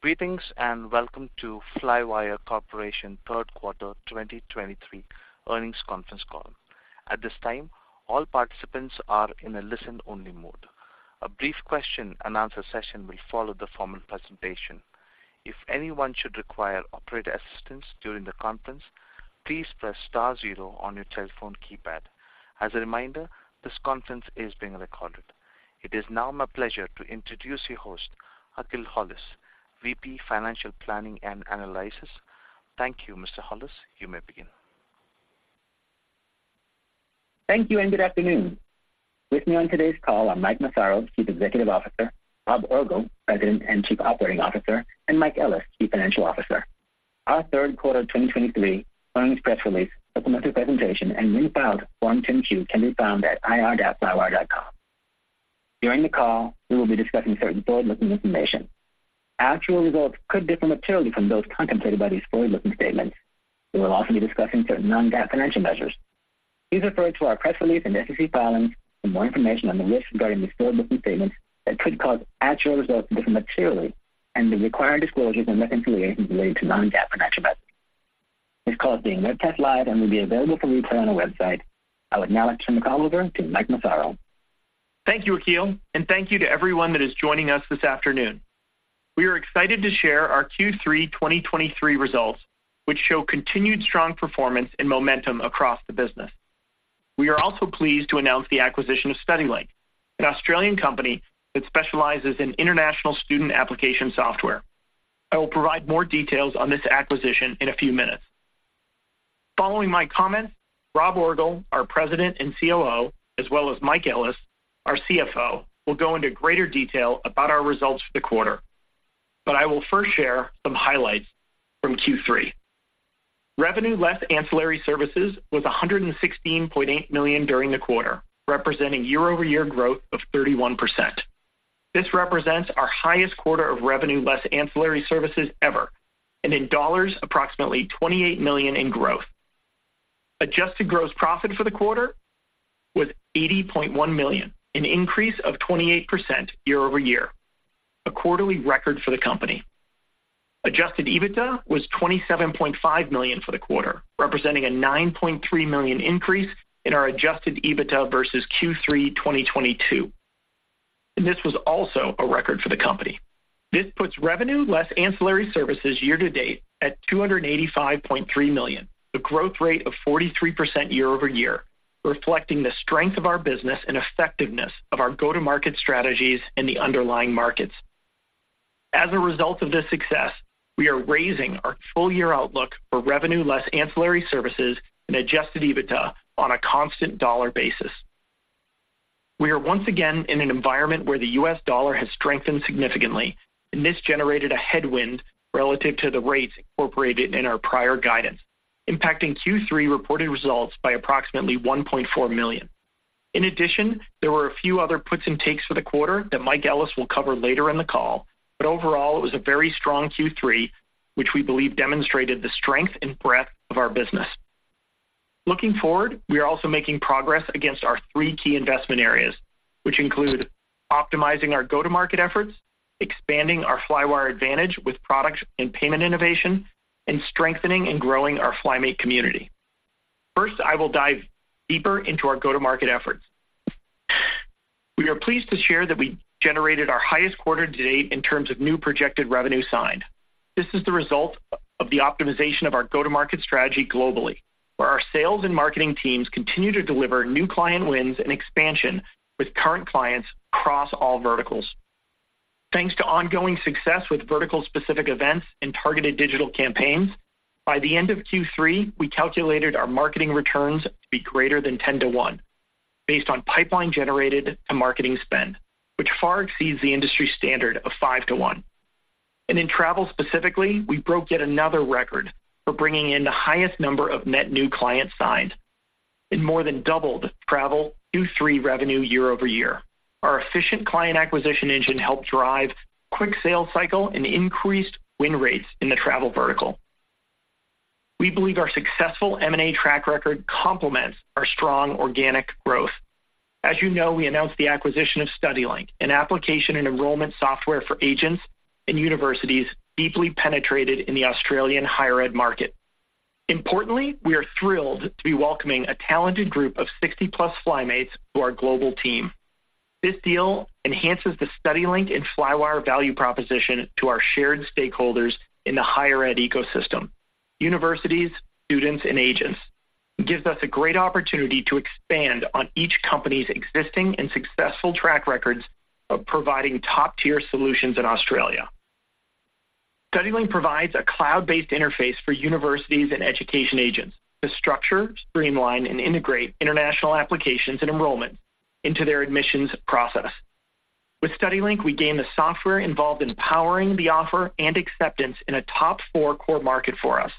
Greetings, and welcome to Flywire Corporation's Q3 2023 earnings conference call. At this time, all participants are in a listen-only mode. A brief question-and-answer session will follow the formal presentation. If anyone should require operator assistance during the conference, please press star zero on your telephone keypad. As a reminder, this conference is being recorded. It is now my pleasure to introduce your host, Akil Hollis, VP, Financial Planning and Analysis. Thank you, Mr. Hollis. You may begin. Thank you, and good afternoon. With me on today's call are Mike Massaro, Chief Executive Officer, Rob Orgel, President and Chief Operating Officer, and Mike Ellis, Chief Financial Officer. Our Q3 2023 earnings press release, supplementary presentation, and newly filed Form 10-Q can be found at ir.flywire.com. During the call, we will be discussing certain forward-looking information. Actual results could differ materially from those contemplated by these forward-looking statements. We will also be discussing certain non-GAAP financial measures. Please refer to our press release and SEC filings for more information on the risks regarding these forward-looking statements that could cause actual results to differ materially and the required disclosures and reconciliation related to non-GAAP financial measures. This call is being webcast live and will be available for replay on our website. I would now like to turn the call over to Mike Massaro. Thank you, Akil, and thank you to everyone that is joining us this afternoon. We are excited to share our Q3 2023 results, which show continued strong performance and momentum across the business. We are also pleased to announce the acquisition of StudyLink, an Australian company that specializes in international student application software. I will provide more details on this acquisition in a few minutes. Following my comments, Rob Orgel, our President and COO, as well as Mike Ellis, our CFO, will go into greater detail about our results for the quarter. But I will first share some highlights from Q3. Revenue, less ancillary services, was $116.8 million during the quarter, representing year-over-year growth of 31%. This represents our highest quarter of revenue, less ancillary services ever, and in dollars, approximately $28 million in growth. Adjusted gross profit for the quarter was $80.1 million, an increase of 28% year-over-year, a quarterly record for the company. Adjusted EBITDA was $27.5 million for the quarter, representing a $9.3 million increase in our adjusted EBITDA versus Q3 2022, and this was also a record for the company. This puts revenue, less ancillary services year to date, at $285.3 million, a growth rate of 43% year-over-year, reflecting the strength of our business and effectiveness of our go-to-market strategies in the underlying markets. As a result of this success, we are raising our full-year outlook for revenue, less ancillary services and adjusted EBITDA on a constant dollar basis. We are once again in an environment where the U.S. dollar has strengthened significantly, and this generated a headwind relative to the rates incorporated in our prior guidance, impacting Q3 reported results by approximately $1.4 million. In addition, there were a few other puts and takes for the quarter that Mike Ellis will cover later in the call, but overall, it was a very strong Q3, which we believe demonstrated the strength and breadth of our business. Looking forward, we are also making progress against our three key investment areas, which include optimizing our go-to-market efforts, expanding our Flywire Advantage with products and payment innovation, and strengthening and growing our FlyMate community. First, I will dive deeper into our go-to-market efforts. We are pleased to share that we generated our highest quarter to date in terms of new projected revenue signed. This is the result of the optimization of our go-to-market strategy globally, where our sales and marketing teams continue to deliver new client wins and expansion with current clients across all verticals. Thanks to ongoing success with vertical-specific events and targeted digital campaigns, by the end of Q3, we calculated our marketing returns to be greater than 10-to-1 based on pipeline generated to marketing spend, which far exceeds the industry standard of 5-to-1. In travel specifically, we broke yet another record for bringing in the highest number of net new clients signed and more than doubled travel Q3 revenue year-over-year. Our efficient client acquisition engine helped drive quick sales cycle and increased win rates in the travel vertical. We believe our successful M&A track record complements our strong organic growth. As you know, we announced the acquisition of StudyLink, an application and enrollment software for agents and universities deeply penetrated in the Australian higher ed market. Importantly, we are thrilled to be welcoming a talented group of 60+ FlyMates to our global team. This deal enhances the StudyLink and Flywire value proposition to our shared stakeholders in the higher ed ecosystem, universities, students, and agents. It gives us a great opportunity to expand on each company's existing and successful track records of providing top-tier solutions in Australia. StudyLink provides a cloud-based interface for universities and education agents to structure, streamline, and integrate international applications and enrollment into their admissions process. With StudyLink, we gain the software involved in powering the offer and acceptance in a top four core market for us,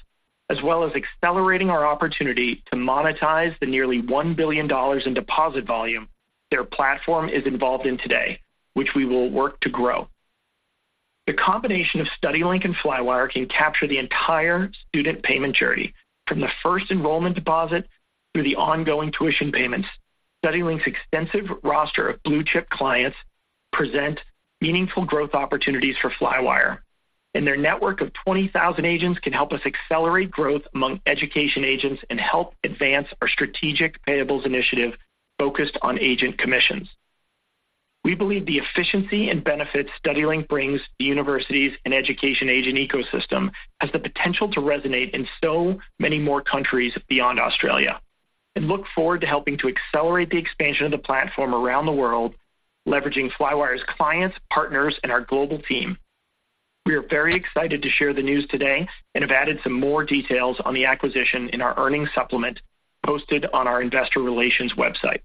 as well as accelerating our opportunity to monetize the nearly $1 billion in deposit volume their platform is involved in today, which we will work to grow. The combination of StudyLink and Flywire can capture the entire student payment journey, from the first enrollment deposit through the ongoing tuition payments. StudyLink's extensive roster of blue-chip clients present meaningful growth opportunities for Flywire, and their network of 20,000 agents can help us accelerate growth among education agents and help advance our strategic payables initiative focused on agent commissions. We believe the efficiency and benefits StudyLink brings to universities and education agent ecosystem has the potential to resonate in so many more countries beyond Australia, and look forward to helping to accelerate the expansion of the platform around the world, leveraging Flywire's clients, partners, and our global team. We are very excited to share the news today and have added some more details on the acquisition in our earnings supplement, posted on our investor relations website.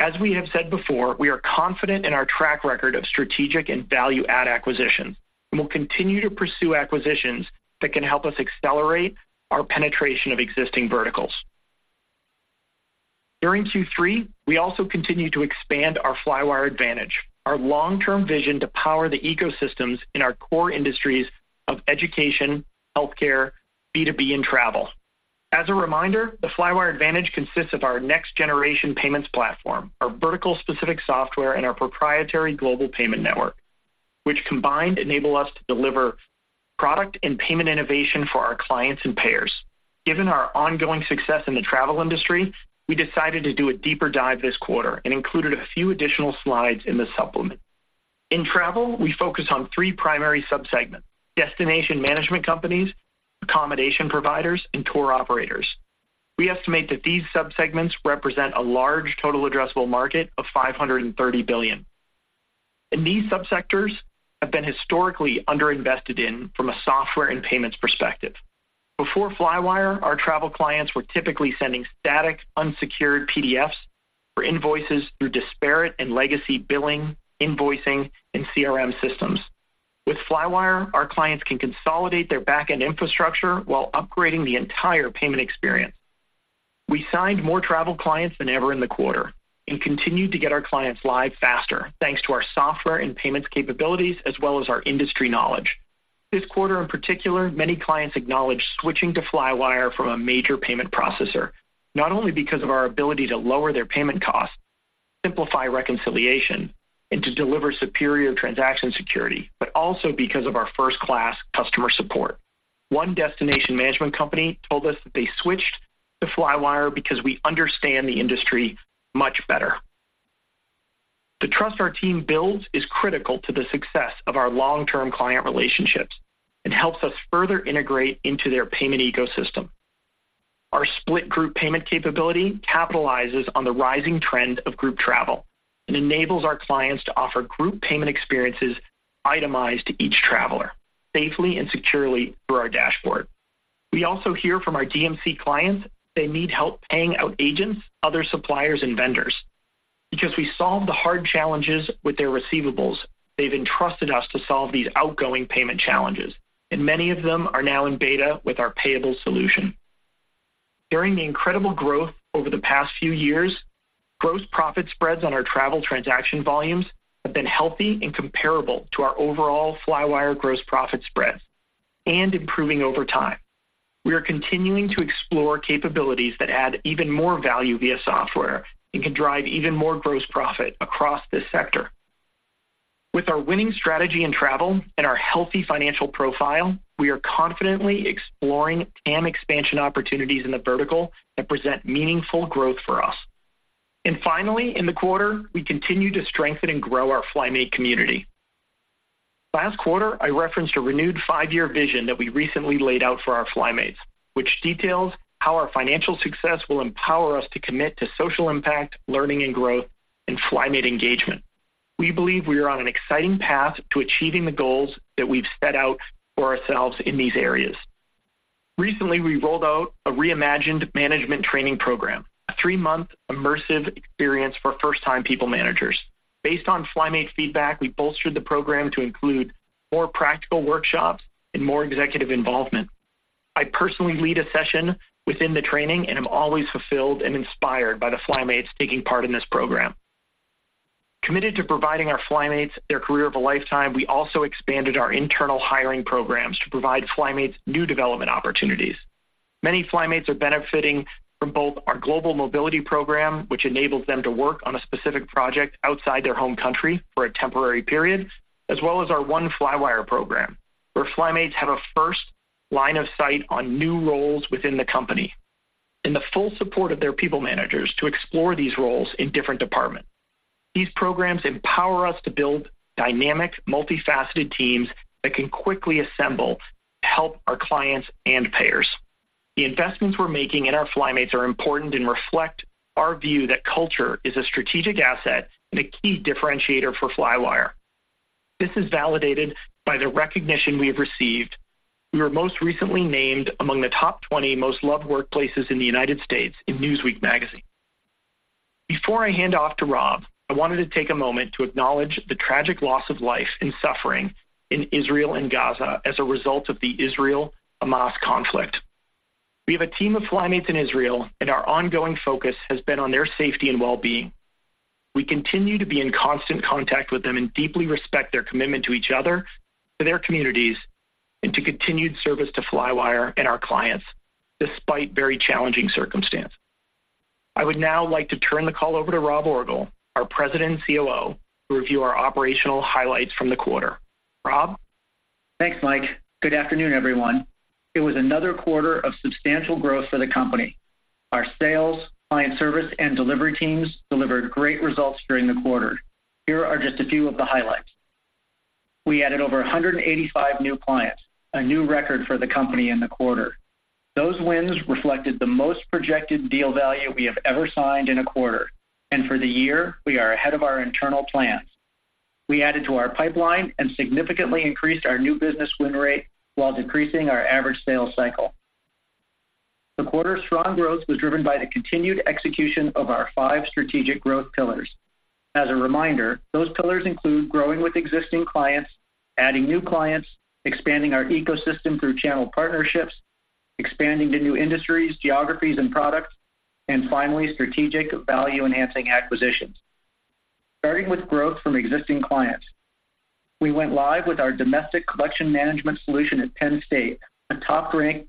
As we have said before, we are confident in our track record of strategic and value-add acquisitions, and we'll continue to pursue acquisitions that can help us accelerate our penetration of existing verticals. During Q3, we also continued to expand our Flywire Advantage, our long-term vision to power the ecosystems in our core industries of education, healthcare, B2B, and travel. As a reminder, the Flywire Advantage consists of our next-generation payments platform, our vertical-specific software, and our proprietary global payment network, which combined, enable us to deliver product and payment innovation for our clients and payers. Given our ongoing success in the travel industry, we decided to do a deeper dive this quarter and included a few additional slides in the supplement. In travel, we focus on three primary sub-segments: destination management companies, accommodation providers, and tour operators. We estimate that these sub-segments represent a large total addressable market of $530 billion, and these subsectors have been historically underinvested in from a software and payments perspective. Before Flywire, our travel clients were typically sending static, unsecured PDFs for invoices through disparate and legacy billing, invoicing, and CRM systems. With Flywire, our clients can consolidate their back-end infrastructure while upgrading the entire payment experience. We signed more travel clients than ever in the quarter and continued to get our clients live faster, thanks to our software and payments capabilities, as well as our industry knowledge. This quarter, in particular, many clients acknowledged switching to Flywire from a major payment processor, not only because of our ability to lower their payment costs, simplify reconciliation, and to deliver superior transaction security, but also because of our first-class customer support. One destination management company told us that they switched to Flywire because we understand the industry much better. The trust our team builds is critical to the success of our long-term client relationships and helps us further integrate into their payment ecosystem. Our split group payment capability capitalizes on the rising trend of group travel and enables our clients to offer group payment experiences itemized to each traveler, safely and securely through our dashboard. We also hear from our DMC clients, they need help paying out agents, other suppliers, and vendors. Because we solve the hard challenges with their receivables, they've entrusted us to solve these outgoing payment challenges, and many of them are now in beta with our payable solution. During the incredible growth over the past few years, gross profit spreads on our travel transaction volumes have been healthy and comparable to our overall Flywire gross profit spreads, and improving over time. We are continuing to explore capabilities that add even more value via software and can drive even more gross profit across this sector. With our winning strategy in travel and our healthy financial profile, we are confidently exploring TAM expansion opportunities in the vertical that present meaningful growth for us. And finally, in the quarter, we continued to strengthen and grow our FlyMate community. Last quarter, I referenced a renewed five-year vision that we recently laid out for our FlyMates, which details how our financial success will empower us to commit to social impact, learning and growth, and FlyMate engagement. We believe we are on an exciting path to achieving the goals that we've set out for ourselves in these areas. Recently, we rolled out a reimagined management training program, a three-month immersive experience for first-time people managers. Based on FlyMate's feedback, we bolstered the program to include more practical workshops and more executive involvement. I personally lead a session within the training and am always fulfilled and inspired by the FlyMates taking part in this program. Committed to providing our FlyMates their career of a lifetime, we also expanded our internal hiring programs to provide FlyMates new development opportunities. Many FlyMates are benefiting from both our global mobility program, which enables them to work on a specific project outside their home country for a temporary period, as well as our One Flywire program, where FlyMates have a first line of sight on new roles within the company and the full support of their people managers to explore these roles in different departments. These programs empower us to build dynamic, multifaceted teams that can quickly assemble to help our clients and payers. The investments we're making in our FlyMates are important and reflect our view that culture is a strategic asset and a key differentiator for Flywire. This is validated by the recognition we have received. We were most recently named among the top 20 most loved workplaces in the United States in Newsweek magazine. Before I hand off to Rob, I wanted to take a moment to acknowledge the tragic loss of life and suffering in Israel and Gaza as a result of the Israel-Hamas conflict. We have a team of FlyMates in Israel, and our ongoing focus has been on their safety and well-being. We continue to be in constant contact with them and deeply respect their commitment to each other, to their communities, and to continued service to Flywire and our clients, despite very challenging circumstances. I would now like to turn the call over to Rob Orgel, our President and COO, to review our operational highlights from the quarter. Rob? Thanks, Mike. Good afternoon, everyone. It was another quarter of substantial growth for the company. Our sales, client service, and delivery teams delivered great results during the quarter. Here are just a few of the highlights. We added over 185 new clients, a new record for the company in the quarter. Those wins reflected the most projected deal value we have ever signed in a quarter, and for the year, we are ahead of our internal plans. We added to our pipeline and significantly increased our new business win rate while decreasing our average sales cycle. The quarter's strong growth was driven by the continued execution of our five strategic growth pillars. As a reminder, those pillars include growing with existing clients, adding new clients, expanding our ecosystem through channel partnerships, expanding to new industries, geographies, and products, and finally, strategic value-enhancing acquisitions. Starting with growth from existing clients, we went live with our domestic collection management solution at Penn State, a top-ranked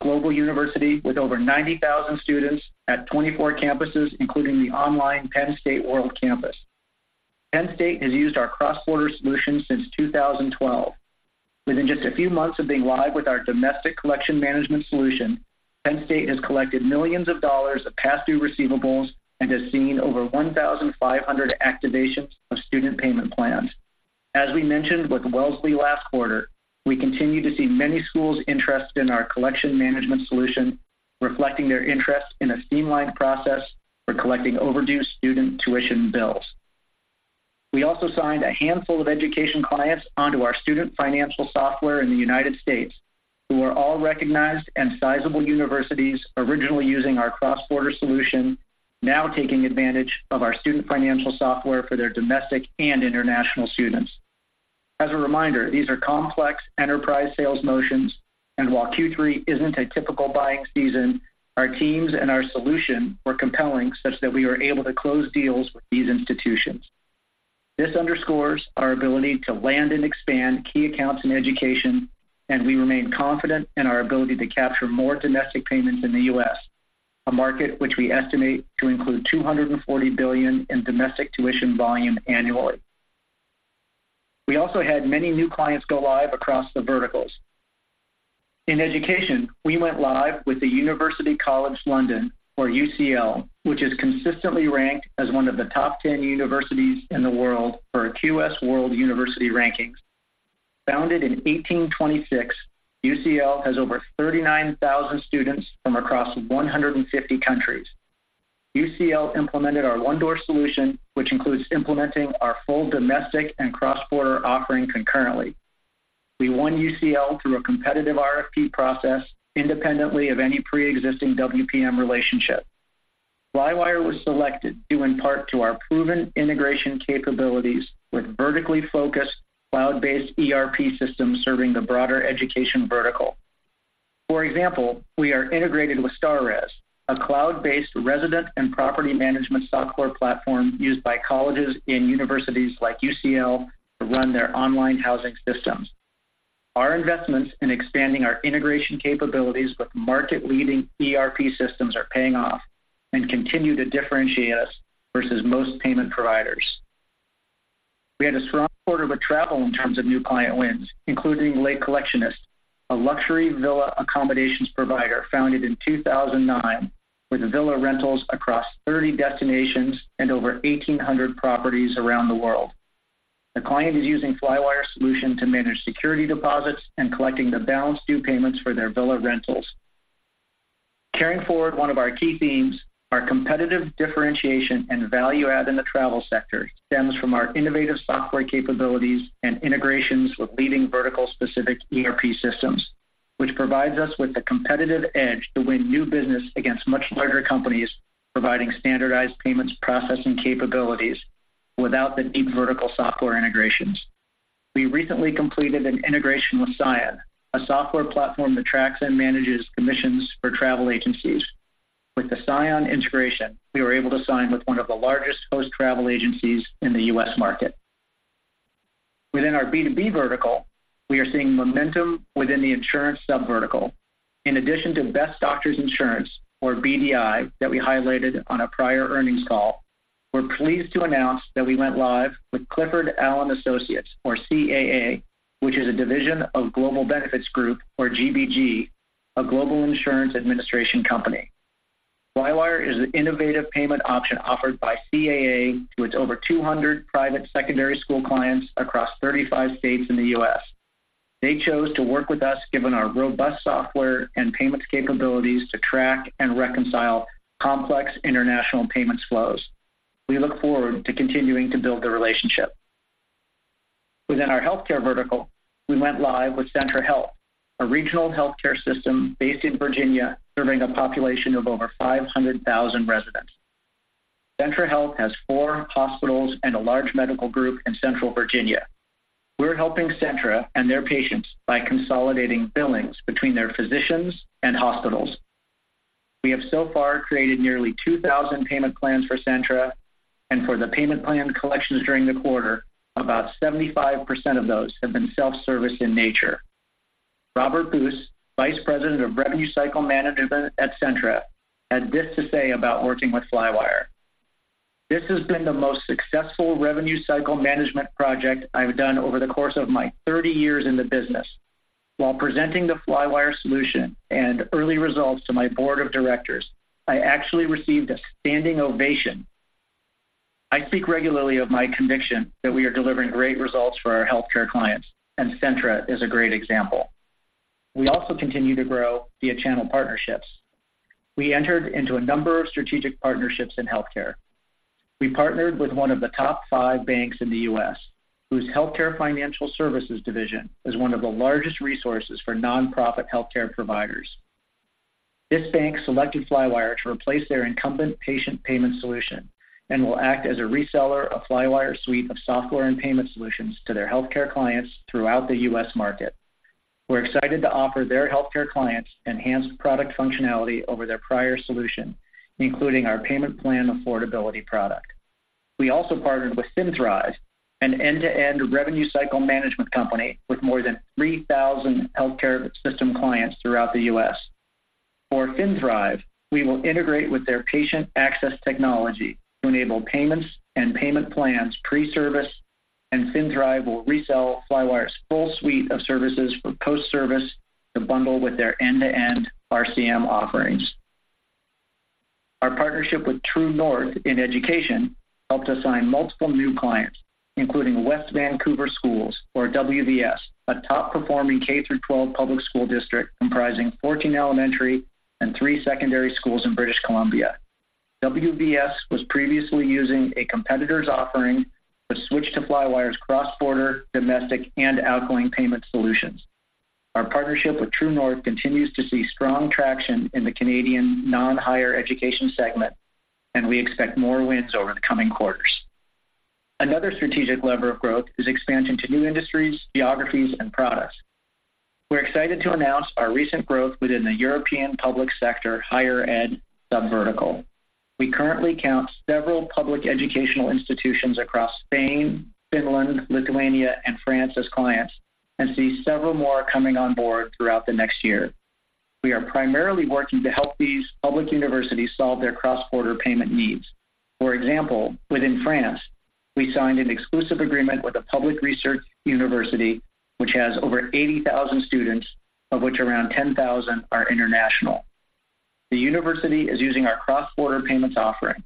global university with over 90,000 students at 24 campuses, including the online Penn State World Campus. Penn State has used our cross-border solution since 2012. Within just a few months of being live with our domestic collection management solution, Penn State has collected millions of dollars past-due receivables and has seen over 1,500 activations of student payment plans. As we mentioned with Wellesley last quarter, we continue to see many schools interested in our collection management solution, reflecting their interest in a streamlined process for collecting overdue student tuition bills. We also signed a handful of education clients onto our student financial software in the United States, who are all recognized and sizable universities, originally using our cross-border solution, now taking advantage of our student financial software for their domestic and international students. As a reminder, these are complex enterprise sales motions, and while Q3 isn't a typical buying season, our teams and our solution were compelling such that we were able to close deals with these institutions. This underscores our ability to land and expand key accounts in education, and we remain confident in our ability to capture more domestic payments in the U.S., a market which we estimate to include $240 billion in domestic tuition volume annually. We also had many new clients go live across the verticals. In education, we went live with the University College London, or UCL, which is consistently ranked as one of the top 10 universities in the world per the QS World University Rankings. Founded in 1826, UCL has over 39,000 students from across 150 countries. UCL implemented our one-door solution, which includes implementing our full domestic and cross-border offering concurrently. We won UCL through a competitive RFP process independently of any preexisting WPM relationship. Flywire was selected due in part to our proven integration capabilities with vertically focused, cloud-based ERP systems serving the broader education vertical. For example, we are integrated with StarRez, a cloud-based resident and property management software platform used by colleges and universities like UCL to run their online housing systems. Our investments in expanding our integration capabilities with market-leading ERP systems are paying off and continue to differentiate us versus most payment providers. We had a strong quarter with travel in terms of new client wins, including Le Collectionist, a luxury villa accommodations provider founded in 2009, with villa rentals across 30 destinations and over 1,800 properties around the world. The client is using Flywire solution to manage security deposits and collecting the balance due payments for their villa rentals. Carrying forward one of our key themes, our competitive differentiation and value-add in the travel sector stems from our innovative software capabilities and integrations with leading vertical-specific ERP systems, which provides us with the competitive edge to win new business against much larger companies, providing standardized payments, processing capabilities without the deep vertical software integrations. We recently completed an integration with Sion, a software platform that tracks and manages commissions for travel agencies. With the Sion integration, we were able to sign with one of the largest host travel agencies in the U.S. market. Within our B2B vertical, we are seeing momentum within the insurance sub-vertical. In addition to Best Doctors Insurance, or BDI, that we highlighted on a prior earnings call, we're pleased to announce that we went live with Clifford Allen Associates, or CAA, which is a division of Global Benefits Group, or GBG, a global insurance administration company. Flywire is an innovative payment option offered by CAA to its over 200 private secondary school clients across 35 states in the U.S. They chose to work with us given our robust software and payments capabilities to track and reconcile complex international payments flows. We look forward to continuing to build the relationship. Within our healthcare vertical, we went live with Centra Health, a regional healthcare system based in Virginia, serving a population of over 500,000 residents. Centra Health has four hospitals and a large medical group in central Virginia. We're helping Centra and their patients by consolidating billings between their physicians and hospitals. We have so far created nearly 2,000 payment plans for Centra, and for the payment plan collections during the quarter, about 75% of those have been self-service in nature. Robert Boos, Vice President of Revenue Cycle Management at Centra, had this to say about working with Flywire: "This has been the most successful revenue cycle management project I've done over the course of my 30 years in the business. While presenting the Flywire solution and early results to my board of directors, I actually received a standing ovation." I speak regularly of my conviction that we are delivering great results for our healthcare clients, and Centra is a great example. We also continue to grow via channel partnerships. We entered into a number of strategic partnerships in healthcare. We partnered with one of the top five banks in the U.S., whose healthcare financial services division is one of the largest resources for nonprofit healthcare providers. This bank selected Flywire to replace their incumbent patient payment solution and will act as a reseller of Flywire's suite of software and payment solutions to their healthcare clients throughout the U.S. market. We're excited to offer their healthcare clients enhanced product functionality over their prior solution, including our payment plan affordability product. We also partnered with FinThrive, an end-to-end revenue cycle management company with more than 3,000 healthcare system clients throughout the U.S. For FinThrive, we will integrate with their patient access technology to enable payments and payment plans pre-service, and FinThrive will resell Flywire's full suite of services for post-service to bundle with their end-to-end RCM offerings. Our partnership with True North in education helped us sign multiple new clients, including West Vancouver Schools, or WVS, a top-performing K through twelve public school district comprising 14 elementary and three secondary schools in British Columbia. WVS was previously using a competitor's offering but switched to Flywire's cross-border, domestic, and outgoing payment solutions. Our partnership with True North continues to see strong traction in the Canadian non-higher education segment, and we expect more wins over the coming quarters. Another strategic lever of growth is expansion to new industries, geographies, and products. We're excited to announce our recent growth within the European public sector higher ed sub-vertical. We currently count several public educational institutions across Spain, Finland, Lithuania, and France as clients and see several more coming on board throughout the next year. We are primarily working to help these public universities solve their cross-border payment needs. For example, within France, we signed an exclusive agreement with a public research university, which has over 80,000 students, of which around 10,000 are international. The university is using our cross-border payments offering.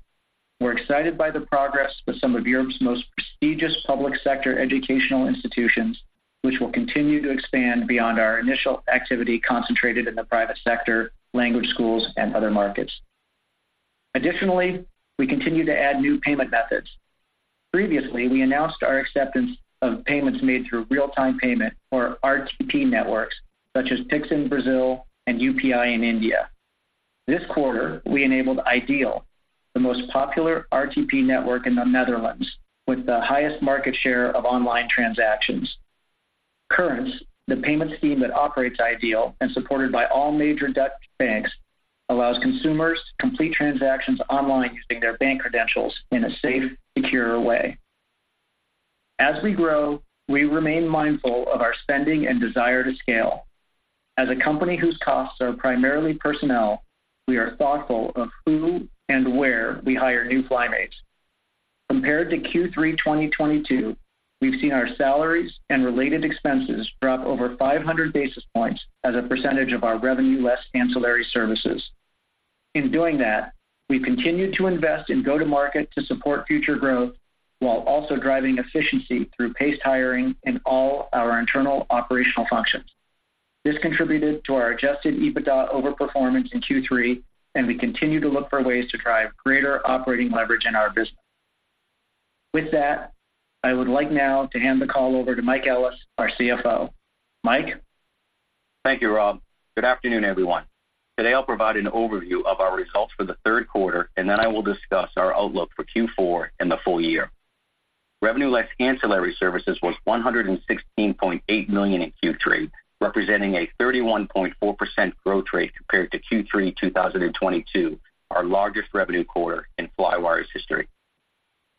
We're excited by the progress with some of Europe's most prestigious public sector educational institutions, which will continue to expand beyond our initial activity concentrated in the private sector, language schools, and other markets. Additionally, we continue to add new payment methods. Previously, we announced our acceptance of payments made through real-time payment or RTP networks, such as Pix in Brazil and UPI in India. This quarter, we enabled iDEAL, the most popular RTP network in the Netherlands, with the highest market share of online transactions. Currence, the payment scheme that operates iDEAL and supported by all major Dutch banks, allows consumers to complete transactions online using their bank credentials in a safe, secure way. As we grow, we remain mindful of our spending and desire to scale. As a company whose costs are primarily personnel, we are thoughtful of who and where we hire new FlyMates. Compared to Q3 2022, we've seen our salaries and related expenses drop over 500 basis points as a percentage of our revenue, less ancillary services. In doing that, we've continued to invest in go-to-market to support future growth while also driving efficiency through paced hiring in all our internal operational functions. This contributed to our Adjusted EBITDA overperformance in Q3, and we continue to look for ways to drive greater operating leverage in our business. With that, I would like now to hand the call over to Mike Ellis, our CFO. Mike? Thank you, Rob. Good afternoon, everyone. Today, I'll provide an overview of our results for the Q3, and then I will discuss our outlook for Q4 and the full year. Revenue, less ancillary services, was $116.8 million in Q3, representing a 31.4% growth rate compared to Q3 2022, our largest revenue quarter in Flywire's history.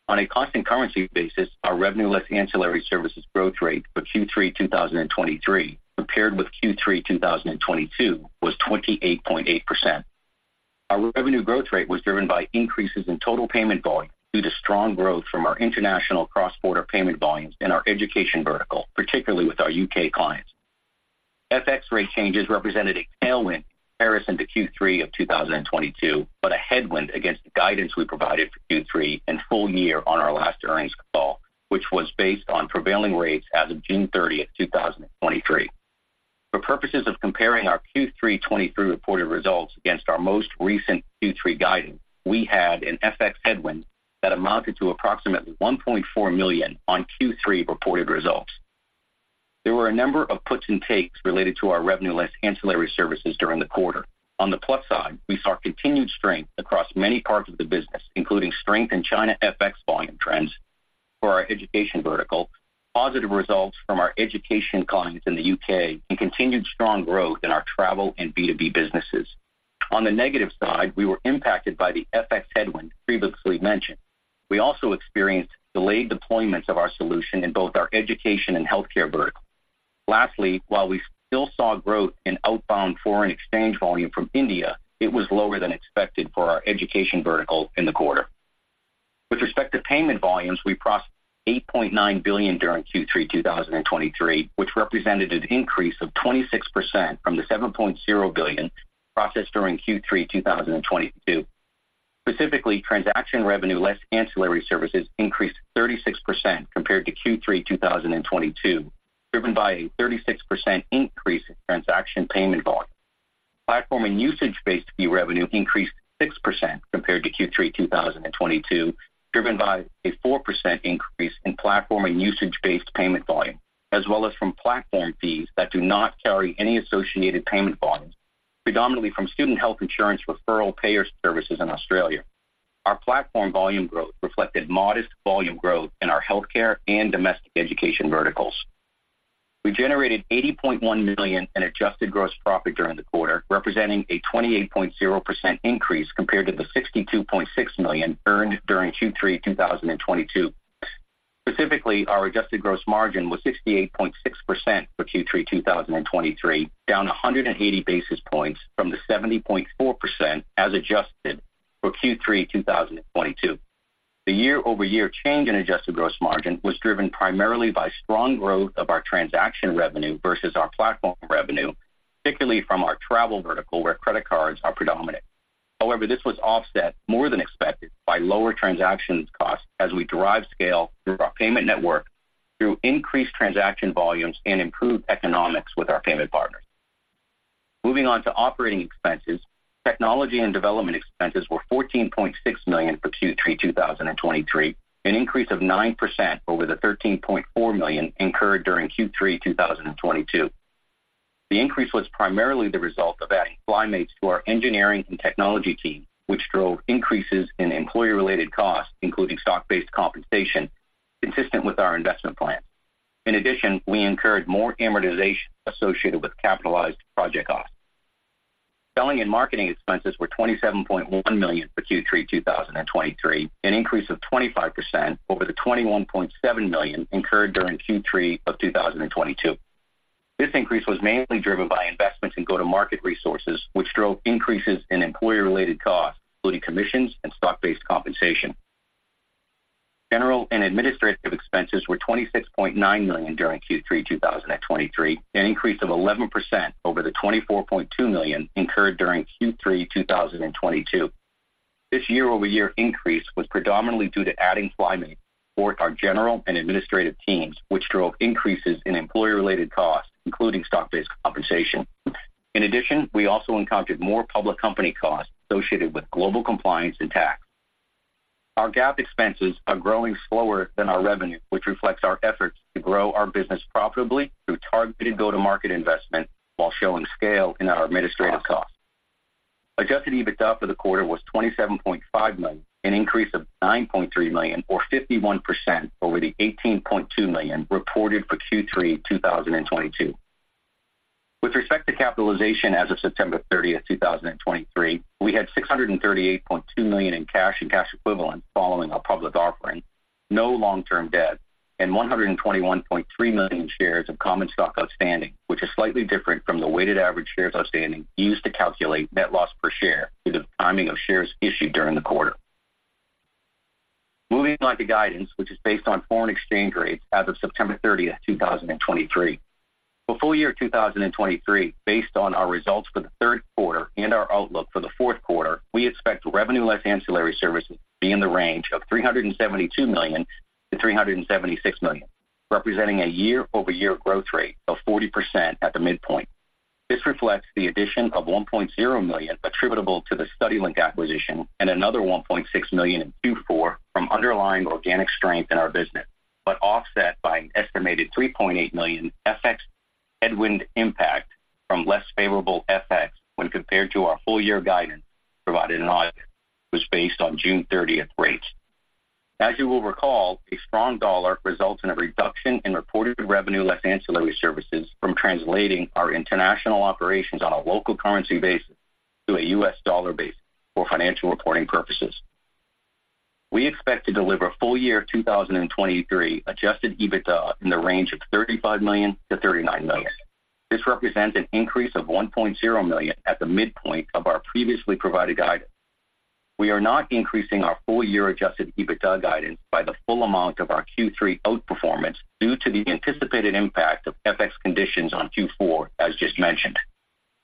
On a constant currency basis, our revenue, less ancillary services growth rate for Q3 2023, compared with Q3 2022, was 28.8%. Our revenue growth rate was driven by increases in total payment volume due to strong growth from our international cross-border payment volumes and our education vertical, particularly with our U.K. clients. FX rate changes represented a tailwind in comparison to Q3 of 2022, but a headwind against the guidance we provided for Q3 and full year on our last earnings call, which was based on prevailing rates as of June 30, 2023. For purposes of comparing our Q3 2023 reported results against our most recent Q3 guidance, we had an FX headwind that amounted to approximately $1.4 million on Q3 reported results. There were a number of puts and takes related to our revenue, less ancillary services, during the quarter. On the plus side, we saw continued strength across many parts of the business, including strength in China FX volume trends for our education vertical, positive results from our education clients in the U.K., and continued strong growth in our travel and B2B businesses. On the negative side, we were impacted by the FX headwind previously mentioned. We also experienced delayed deployments of our solution in both our education and healthcare vertical. Lastly, while we still saw growth in outbound foreign exchange volume from India, it was lower than expected for our education vertical in the quarter. With respect to payment volumes, we processed $8.9 billion during Q3 2023, which represented an increase of 26% from the $7.0 billion processed during Q3 2022. Specifically, transaction revenue, less ancillary services, increased 36% compared to Q3 2022, driven by a 36% increase in transaction payment volume. Platform and usage-based fee revenue increased 6% compared to Q3 2022, driven by a 4% increase in platform and usage-based payment volume, as well as from platform fees that do not carry any associated payment volumes, predominantly from student health insurance referral payer services in Australia. Our platform volume growth reflected modest volume growth in our healthcare and domestic education verticals. We generated $80.1 million in adjusted gross profit during the quarter, representing a 28.0% increase compared to the $62.6 million earned during Q3 2022. Specifically, our adjusted gross margin was 68.6% for Q3 2023, down 180 basis points from the 70.4% as adjusted for Q3 2022. The year-over-year change in adjusted gross margin was driven primarily by strong growth of our transaction revenue versus our platform revenue, particularly from our travel vertical, where credit cards are predominant. However, this was offset more than expected by lower transactions costs as we drive scale through our payment network through increased transaction volumes and improved economics with our payment partners. Moving on to operating expenses. Technology and development expenses were $14.6 million for Q3 2023, an increase of 9% over the $13.4 million incurred during Q3 2022. The increase was primarily the result of adding FlyMates to our engineering and technology team, which drove increases in employee-related costs, including stock-based compensation, consistent with our investment plan. In addition, we incurred more amortization associated with capitalized project costs. Selling and marketing expenses were $27.1 million for Q3 2023, an increase of 25% over the $21.7 million incurred during Q3 of 2022. This increase was mainly driven by investments in go-to-market resources, which drove increases in employee-related costs, including commissions and stock-based compensation. General and administrative expenses were $26.9 million during Q3 2023, an increase of 11% over the $24.2 million incurred during Q3 of 2022. This year-over-year increase was predominantly due to adding FlyMate for our general and administrative teams, which drove increases in employee-related costs, including stock-based compensation. In addition, we also encountered more public company costs associated with global compliance and tax. Our GAAP expenses are growing slower than our revenue, which reflects our efforts to grow our business profitably through targeted go-to-market investment while showing scale in our administrative costs. Adjusted EBITDA for the quarter was $27.5 million, an increase of $9.3 million or 51% over the $18.2 million reported for Q3 2022. With respect to capitalization as of September 30, 2023, we had $638.2 million in cash and cash equivalents following our public offering, no long-term debt, and $121.3 million shares of common stock outstanding, which is slightly different from the weighted average shares outstanding used to calculate net loss per share due to the timing of shares issued during the quarter. Moving on to guidance, which is based on foreign exchange rates as of September 30, 2023. For full year 2023, based on our results for the Q3 and our outlook for the Q4, we expect revenue less ancillary services be in the range of $372 million-$376 million, representing a year-over-year growth rate of 40% at the midpoint. This reflects the addition of $1.0 million attributable to the StudyLink acquisition and another $1.6 million in Q4 from underlying organic strength in our business, but offset by an estimated $3.8 million FX headwind impact from less favorable FX when compared to our full year guidance provided in August, which was based on June 30 rates. As you will recall, a strong dollar results in a reduction in reported revenue less ancillary services from translating our international operations on a local currency basis to a U.S. dollar basis for financial reporting purposes. We expect to deliver full year 2023 adjusted EBITDA in the range of $35 million-$39 million. This represents an increase of $1.0 million at the midpoint of our previously provided guidance. We are not increasing our full year adjusted EBITDA guidance by the full amount of our Q3 outperformance due to the anticipated impact of FX conditions on Q4, as just mentioned.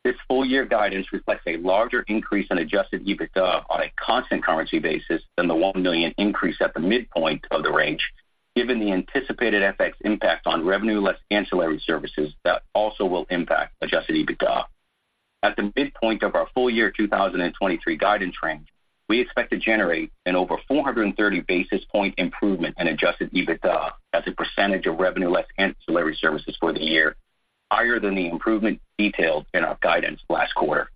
This full year guidance reflects a larger increase in adjusted EBITDA on a constant currency basis than the $1 million increase at the midpoint of the range, given the anticipated FX impact on revenue less ancillary services that also will impact adjusted EBITDA. At the midpoint of our full year 2023 guidance range, we expect to generate an over 430 basis point improvement in Adjusted EBITDA as a percentage of revenue less ancillary services for the year, higher than the improvement detailed in our guidance last quarter.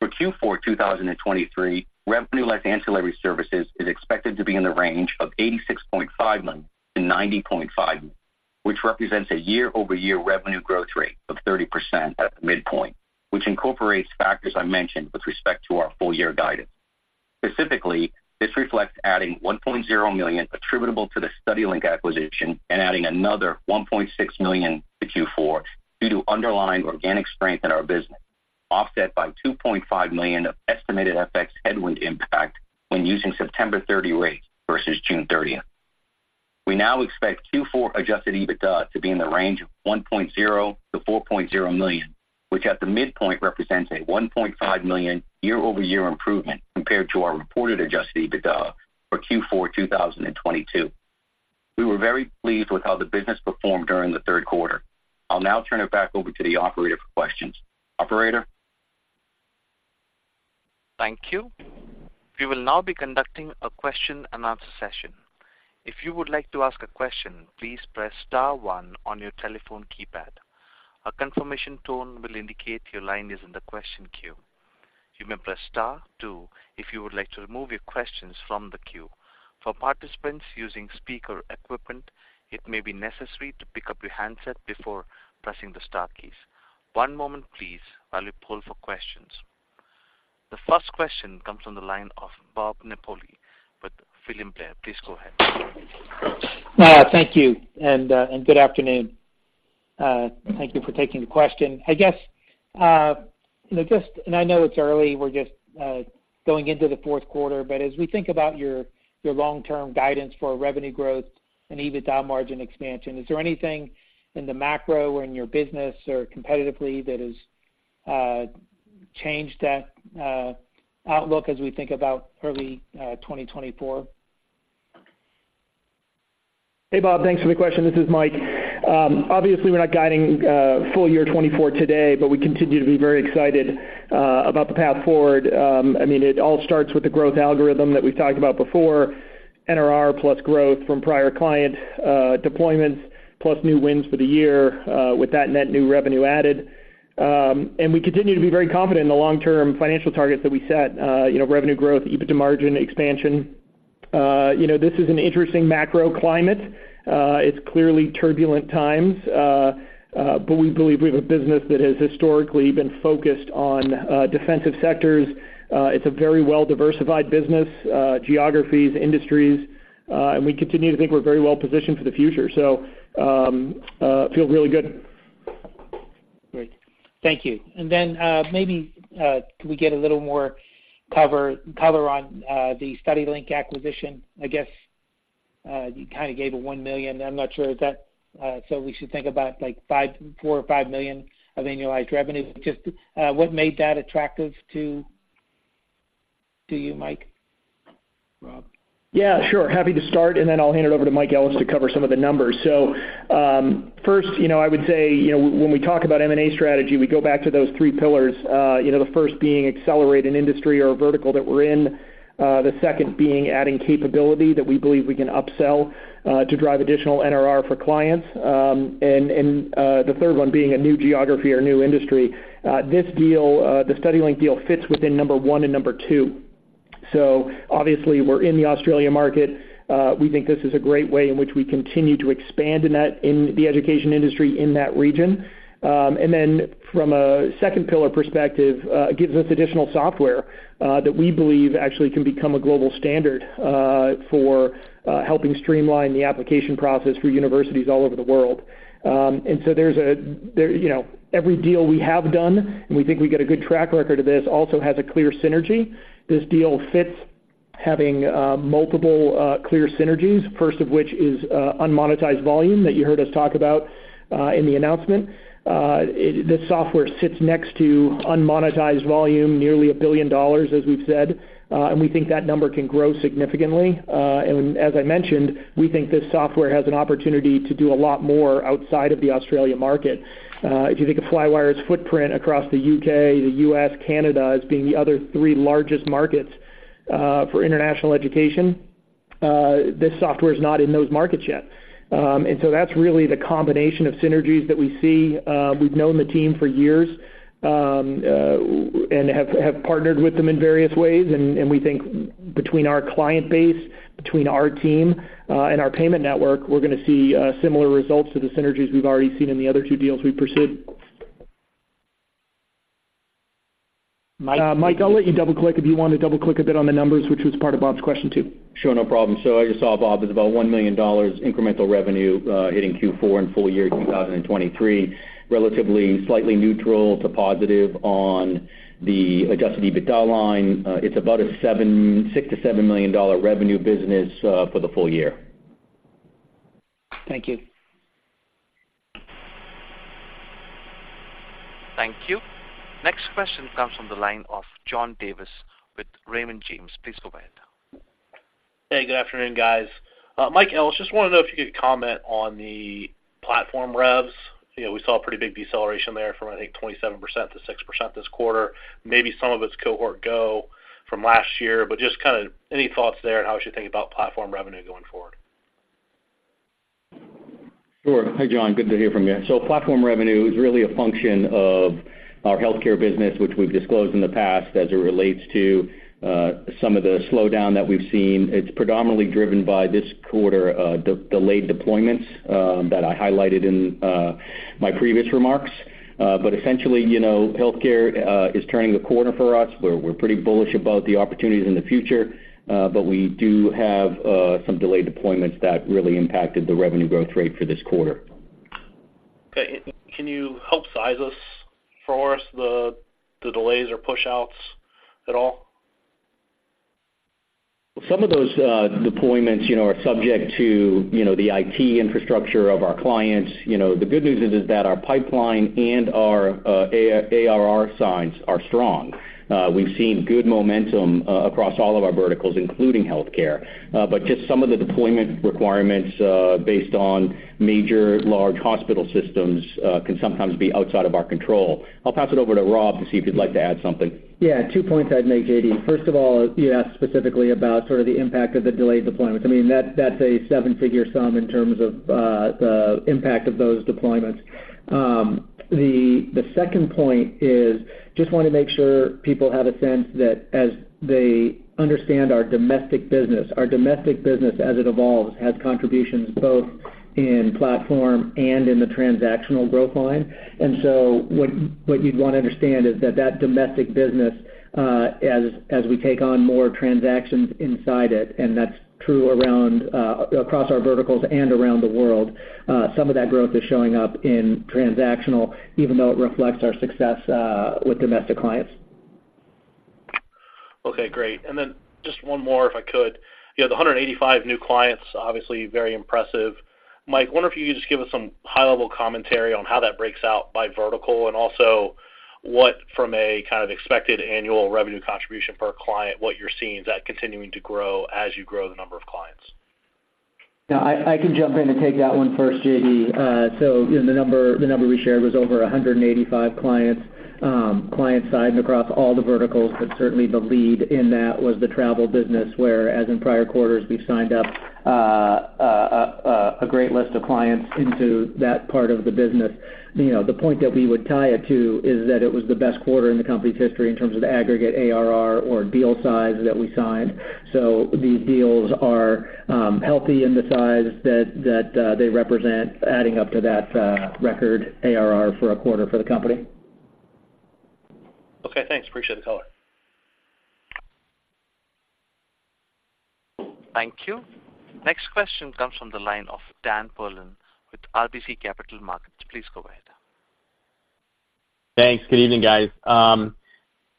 For Q4 2023, revenue less ancillary services is expected to be in the range of $86.5 million-$90.5 million, which represents a year-over-year revenue growth rate of 30% at the midpoint, which incorporates factors I mentioned with respect to our full year guidance. Specifically, this reflects adding $1.0 million attributable to the StudyLink acquisition and adding another $1.6 million to Q4 due to underlying organic strength in our business, offset by $2.5 million of estimated FX headwind impact when using September 30 rates versus June 30. We now expect Q4 Adjusted EBITDA to be in the range of $1.0 million-$4.0 million, which at the midpoint represents a $1.5 million year-over-year improvement compared to our reported Adjusted EBITDA for Q4 2022. We were very pleased with how the business performed during the Q3. I'll now turn it back over to the operator for questions. Operator? Thank you. We will now be conducting a question-and-answer session. If you would like to ask a question, please press star one on your telephone keypad. A confirmation tone will indicate your line is in the question queue. You may press star two if you would like to remove your questions from the queue. For participants using speaker equipment, it may be necessary to pick up your handset before pressing the star keys. One moment please, while we poll for questions. The first question comes from the line of Bob Napoli with William Blair. Please go ahead. Thank you, and good afternoon. Thank you for taking the question. I guess, just, and I know it's early, we're just going into the Q4, but as we think about your, your long-term guidance for revenue growth and EBITDA margin expansion, is there anything in the macro or in your business or competitively that has changed that outlook as we think about early 2024? Hey, Bob, thanks for the question. This is Mike. Obviously, we're not guiding full year 2024 today, but we continue to be very excited about the path forward. I mean, it all starts with the growth algorithm that we've talked about before, NRR plus growth from prior client deployments, plus new wins for the year with that net new revenue added. And we continue to be very confident in the long-term financial targets that we set, you know, revenue growth, EBITDA margin expansion. You know, this is an interesting macro climate. It's clearly turbulent times, but we believe we have a business that has historically been focused on defensive sectors. It's a very well-diversified business, geographies, industries, and we continue to think we're very well positioned for the future. It feels really good. Great. Thank you. And then, maybe, can we get a little more color on the StudyLink acquisition? I guess, you kind of gave a $1 million. I'm not sure if that, so we should think about like $4 million or $5 million of annualized revenue. Just, what made that attractive to, to you, Mike? Yeah, sure. Happy to start, and then I'll hand it over to Mike Ellis to cover some of the numbers. So, first, you know, I would say, you know, when we talk about M&A strategy, we go back to those three pillars. You know, the first being accelerate an industry or a vertical that we're in. The second being adding capability that we believe we can upsell to drive additional NRR for clients. And the third one being a new geography or new industry. This deal, the StudyLink deal fits within number one and number two. So obviously, we're in the Australia market. We think this is a great way in which we continue to expand in that, in the education industry in that region. And then from a second pillar perspective, it gives us additional software that we believe actually can become a global standard for helping streamline the application process for universities all over the world. And so there's, you know, every deal we have done, and we think we get a good track record of this, also has a clear synergy. This deal fits having multiple clear synergies, first of which is unmonetized volume that you heard us talk about in the announcement. This software sits next to unmonetized volume, nearly $1 billion, as we've said, and we think that number can grow significantly. And as I mentioned, we think this software has an opportunity to do a lot more outside of the Australian market. If you think of Flywire's footprint across the U.K., the U.S., Canada, as being the other three largest markets for international education, this software is not in those markets yet. So that's really the combination of synergies that we see. We've known the team for years and have partnered with them in various ways, and we think between our client base, between our team, and our payment network, we're gonna see similar results to the synergies we've already seen in the other two deals we've pursued. Mike, I'll let you double-click if you want to double-click a bit on the numbers, which was part of Bob's question, too. Sure, no problem. So as you saw, Bob, there's about $1 million incremental revenue, hitting Q4 and full year 2023, relatively slightly neutral to positive on the adjusted EBITDA line. It's about a $7, $6-$7 million revenue business, for the full year. Thank you. Thank you. Next question comes from the line of John Davis with Raymond James. Please go ahead. Hey, good afternoon, guys. Mike Ellis, just wanted to know if you could comment on the platform revs. You know, we saw a pretty big deceleration there from, I think, 27%-6% this quarter. Maybe some of it's Cohort Go from last year, but just kind of any thoughts there on how we should think about platform revenue going forward? Sure. Hi, John, good to hear from you. So platform revenue is really a function of our healthcare business, which we've disclosed in the past as it relates to some of the slowdown that we've seen. It's predominantly driven by this quarter, delayed deployments that I highlighted in my previous remarks. But essentially, you know, healthcare is turning the corner for us. We're pretty bullish about the opportunities in the future, but we do have some delayed deployments that really impacted the revenue growth rate for this quarter. Okay. Can you help size us for us, the delays or pushouts at all? Some of those deployments, you know, are subject to, you know, the IT infrastructure of our clients. You know, the good news is that our pipeline and our ARR signs are strong. We've seen good momentum across all of our verticals, including healthcare. But just some of the deployment requirements based on major large hospital systems can sometimes be outside of our control. I'll pass it over to Rob to see if you'd like to add something. Yeah, two points I'd make, J.D. First of all, you asked specifically about sort of the impact of the delayed deployments. I mean, that's a seven-figure sum in terms of the impact of those deployments. The second point is, just want to make sure people have a sense that as they understand our domestic business, our domestic business, as it evolves, has contributions both in platform and in the transactional growth line. And so what you'd want to understand is that domestic business, as we take on more transactions inside it, and that's true around across our verticals and around the world, some of that growth is showing up in transactional, even though it reflects our success with domestic clients. Okay, great. And then just one more, if I could. You know, the 185 new clients, obviously very impressive. Mike, I wonder if you could just give us some high-level commentary on how that breaks out by vertical, and also, what from a kind of expected annual revenue contribution per client, what you're seeing, is that continuing to grow as you grow the number of clients? No, I can jump in and take that one first, J.D. So the number, the number we shared was over 185 clients signed across all the verticals, but certainly the lead in that was the travel business, where, as in prior quarters, we've signed up a great list of clients into that part of the business. You know, the point that we would tie it to is that it was the best quarter in the company's history in terms of aggregate ARR or deal size that we signed. So these deals are healthy in the size that they represent, adding up to that record ARR for a quarter for the company. Okay, thanks. Appreciate the color. Thank you. Next question comes from the line of Dan Perlin with RBC Capital Markets. Please go ahead. Thanks. Good evening, guys.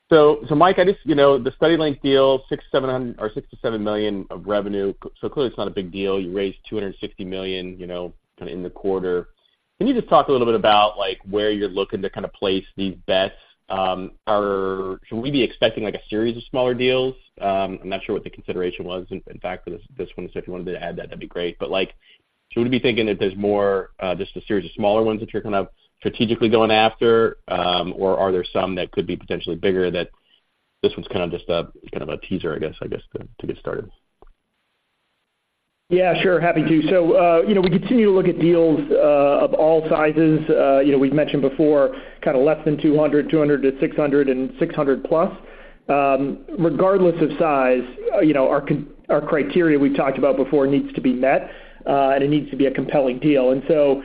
So, Mike, I just, you know, the StudyLink deal, $6 million-$7 million of revenue, so clearly, it's not a big deal. You raised $260 million, you know, kind of in the quarter. Can you just talk a little bit about, like, where you're looking to kind of place these bets? Are, should we be expecting, like, a series of smaller deals? I'm not sure what the consideration was, in fact, for this one, so if you wanted to add that, that'd be great. Like, should we be thinking that there's more, just a series of smaller ones that you're kind of strategically going after, or are there some that could be potentially bigger, that this one's kind of just a teaser, I guess, to get started? Yeah, sure, happy to. So, you know, we continue to look at deals of all sizes. You know, we've mentioned before, kind of less than 200, 200-600, and 600+. Regardless of size, you know, our criteria we've talked about before needs to be met, and it needs to be a compelling deal. And so,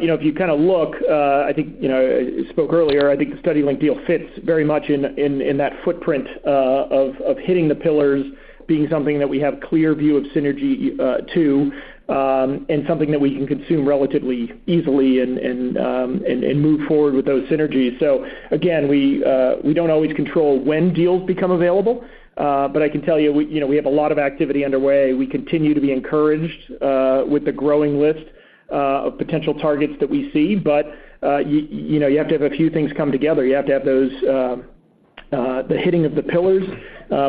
you know, if you kind of look, I think, you know, I spoke earlier, I think the StudyLink deal fits very much in that footprint of hitting the pillars, being something that we have clear view of synergy to, and something that we can consume relatively easily and move forward with those synergies. So again, we don't always control when deals become available, but I can tell you, you know, we have a lot of activity underway. We continue to be encouraged with the growing list of potential targets that we see. But you know, you have to have a few things come together. You have to have those, the hitting of the pillars.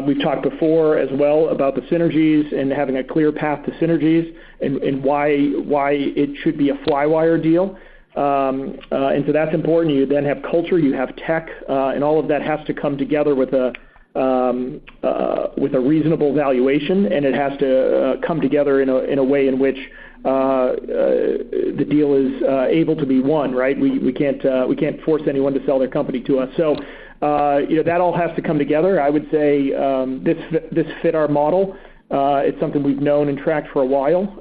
We've talked before as well about the synergies and having a clear path to synergies and, and why, why it should be a Flywire deal. And so that's important. You then have culture, you have tech, and all of that has to come together with a reasonable valuation, and it has to come together in a way in which the deal is able to be won, right? We, we can't, we can't force anyone to sell their company to us. So, you know, that all has to come together. I would say, this, this fit our model. It's something we've known and tracked for a while.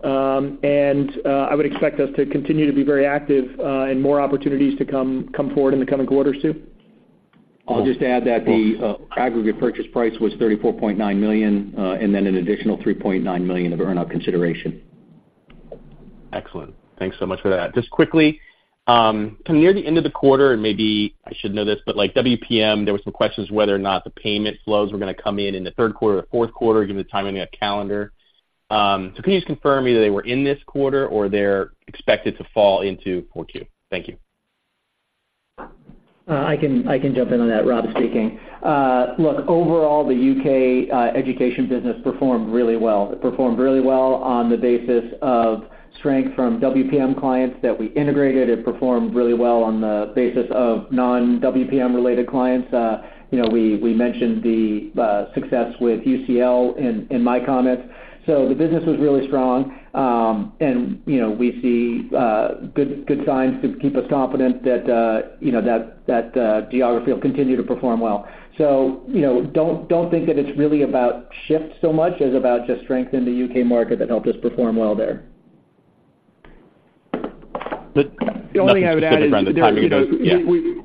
And I would expect us to continue to be very active in more opportunities to come forward in the coming quarters, too. I'll just add that the aggregate purchase price was $34.9 million, and then an additional $3.9 million of earnout consideration. Excellent. Thanks so much for that. Just quickly, near the end of the quarter, and maybe I should know this, but like WPM, there were some questions whether or not the payment flows were gonna come in in the Q3 or Q4, given the timing of the calendar. So can you just confirm either they were in this quarter or they're expected to fall into Q4? Thank you. I can jump in on that, Rob speaking. Look, overall, the U.K. education business performed really well. It performed really well on the basis of strength from WPM clients that we integrated. It performed really well on the basis of non-WPM related clients. You know, we mentioned the success with UCL in my comments. So the business was really strong. And, you know, we see good signs to keep us confident that, you know, that geography will continue to perform well. So, you know, don't think that it's really about shift so much as about just strength in the U.K. market that helped us perform well there. The only thing I would add is, you know, we-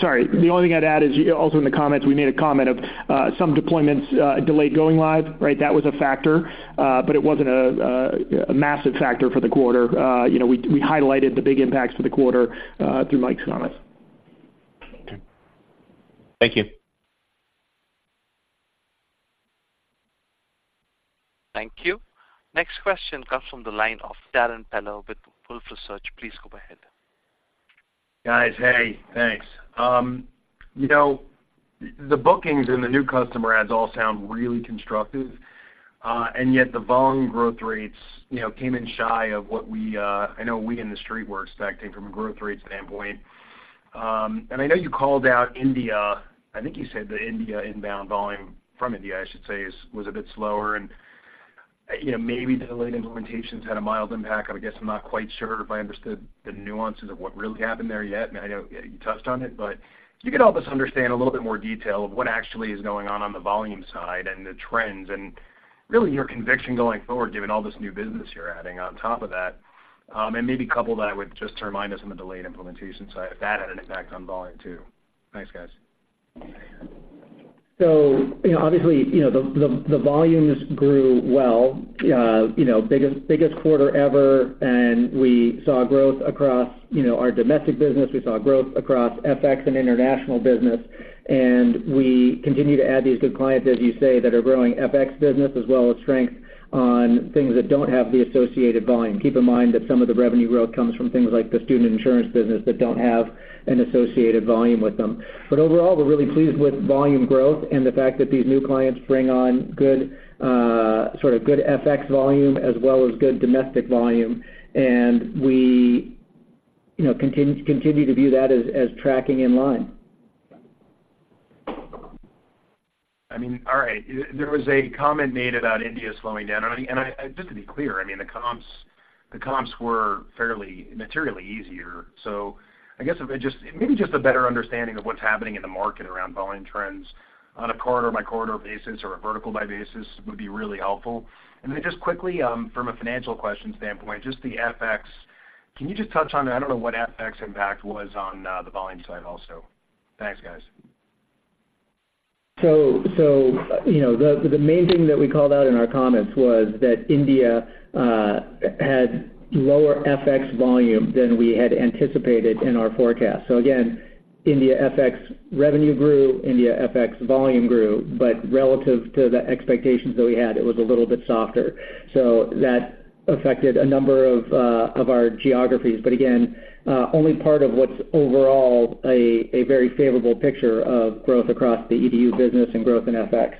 Sorry. The only thing I'd add is, also in the comments, we made a comment of, some deployments, delayed going live, right? That was a factor, but it wasn't a massive factor for the quarter. You know, we highlighted the big impacts for the quarter through Mike's comments. Okay. Thank you. Thank you. Next question comes from the line of Darren Peller with Wolfe Research. Please go ahead. Guys, hey, thanks. You know, the bookings and the new customer adds all sound really constructive, and yet the volume growth rates, you know, came in shy of what we, I know we in the Street were expecting from a growth rate standpoint. And I know you called out India. I think you said that India inbound volume, from India, I should say, is, was a bit slower, and, you know, maybe the delayed implementations had a mild impact. I guess I'm not quite sure if I understood the nuances of what really happened there yet, and I know you touched on it. But if you could help us understand a little bit more detail of what actually is going on, on the volume side and the trends, and really your conviction going forward, given all this new business you're adding on top of that. Maybe couple that with just to remind us on the delayed implementation side, if that had an impact on volume, too. Thanks, guys. So, you know, obviously, you know, the volumes grew well. You know, biggest quarter ever, and we saw growth across, you know, our domestic business. We saw growth across FX and international business, and we continue to add these good clients, as you say, that are growing FX business as well as strength on things that don't have the associated volume. Keep in mind that some of the revenue growth comes from things like the student insurance business that don't have an associated volume with them. But overall, we're really pleased with volume growth and the fact that these new clients bring on good, sort of good FX volume as well as good domestic volume, and we, you know, continue to view that as tracking in line. I mean, all right. There was a comment made about India slowing down. Just to be clear, I mean, the comps, the comps were fairly materially easier. So I guess maybe just a better understanding of what's happening in the market around volume trends on a corridor by corridor basis or a vertical by basis would be really helpful. And then just quickly, from a financial question standpoint, just the FX. Can you just touch on that? I don't know what FX impact was on the volume side also. Thanks, guys. So, you know, the main thing that we called out in our comments was that India had lower FX volume than we had anticipated in our forecast. So again, India FX revenue grew, India FX volume grew, but relative to the expectations that we had, it was a little bit softer. So that affected a number of our geographies. But again, only part of what's overall a very favorable picture of growth across the EDU business and growth in FX.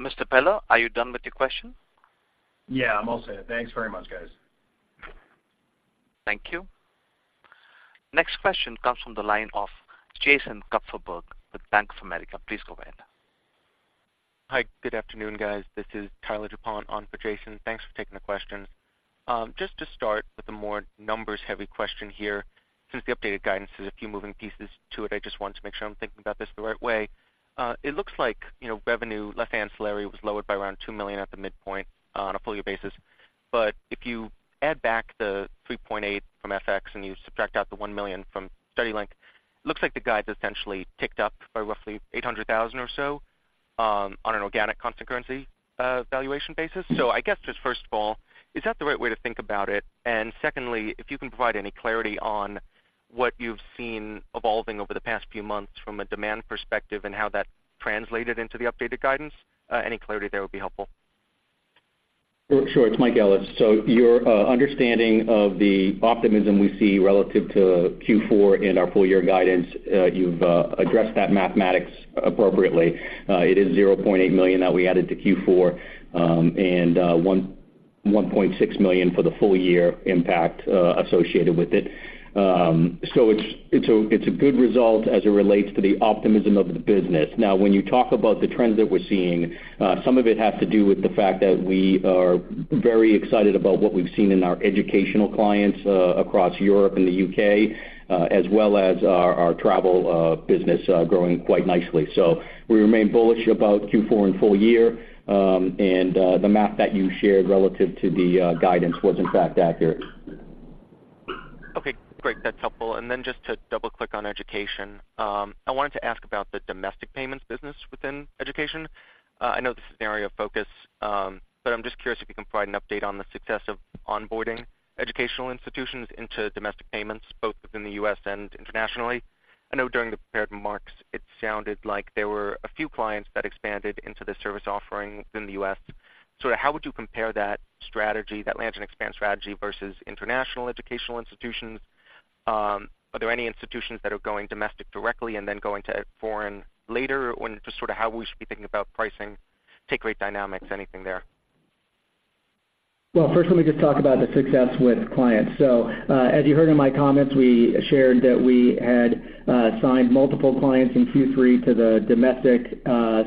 Mr. Peller, are you done with your question? Yeah, I'm all set. Thanks very much, guys. Thank you. Next question comes from the line of Jason Kupferberg with Bank of America. Please go ahead. Hi, good afternoon, guys. This is Tyler DuPont on for Jason. Thanks for taking the questions. Just to start with a more numbers-heavy question here, since the updated guidance has a few moving pieces to it, I just want to make sure I'm thinking about this the right way. It looks like, you know, revenue, less ancillary, was lowered by around $2 million at the midpoint on a full year basis. But if you add back the $3.8 million from FX, and you subtract out the $1 million from StudyLink, it looks like the guide's essentially ticked up by roughly $800,000 or so, on an organic constant currency, valuation basis. So I guess just first of all, is that the right way to think about it? Secondly, if you can provide any clarity on what you've seen evolving over the past few months from a demand perspective and how that translated into the updated guidance, any clarity there would be helpful. Sure, sure. It's Mike Ellis. So your understanding of the optimism we see relative to Q4 and our full year guidance, you've addressed that mathematics appropriately. It is $0.8 million that we added to Q4, and $1.6 million for the full year impact associated with it. So it's a good result as it relates to the optimism of the business. Now, when you talk about the trends that we're seeing, some of it has to do with the fact that we are very excited about what we've seen in our educational clients across Europe and the U.K., as well as our travel business growing quite nicely. We remain bullish about Q4 and full year, the math that you shared relative to the guidance was in fact accurate. Okay, great. That's helpful. Just to double-click on education, I wanted to ask about the domestic payments business within education. I know this is an area of focus, but I'm just curious if you can provide an update on the success of onboarding educational institutions into domestic payments, both within the U.S. and internationally. I know during the prepared remarks, it sounded like there were a few clients that expanded into the service offering within the U.S. How would you compare that strategy, that land and expand strategy versus international educational institutions? Are there any institutions that are going domestic directly and then going to foreign later? Just sort of how we should be thinking about pricing, take rate dynamics, anything there? Well, first, let me just talk about the success with clients. So, as you heard in my comments, we shared that we had signed multiple clients in Q3 to the domestic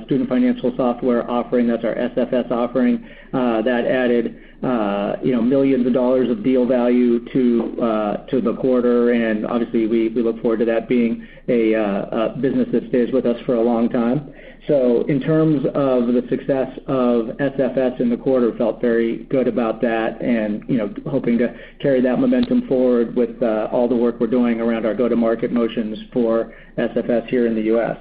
student financial software offering. That's our SFS offering that added, you know, millions of dollars of deal value to the quarter. And obviously, we look forward to that being a business that stays with us for a long time. So in terms of the success of SFS in the quarter, felt very good about that and, you know, hoping to carry that momentum forward with all the work we're doing around our go-to-market motions for SFS here in the U.S.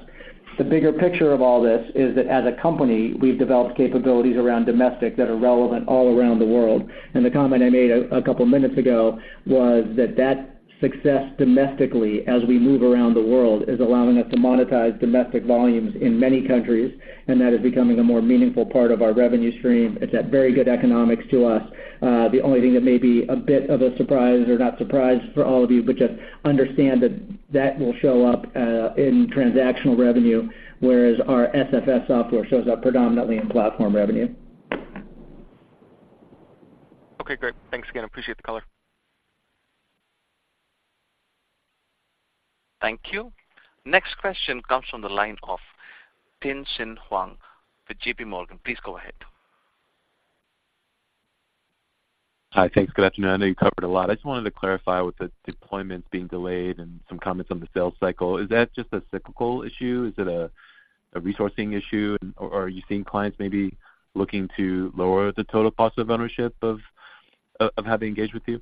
The bigger picture of all this is that as a company, we've developed capabilities around domestic that are relevant all around the world. The comment I made a couple of minutes ago was that that success domestically, as we move around the world, is allowing us to monetize domestic volumes in many countries, and that is becoming a more meaningful part of our revenue stream. It's at very good economics to us. The only thing that may be a bit of a surprise or not surprise for all of you, but just understand that that will show up in transactional revenue, whereas our SFS software shows up predominantly in platform revenue. Okay, great. Thanks again. Appreciate the color. Thank you. Next question comes from the line of Tien-Tsin Huang with JP Morgan. Please go ahead. Hi. Thanks. Good afternoon. I know you covered a lot. I just wanted to clarify with the deployments being delayed and some comments on the sales cycle, is that just a cyclical issue? Is it a resourcing issue, and or are you seeing clients maybe looking to lower the total cost of ownership of how they engage with you?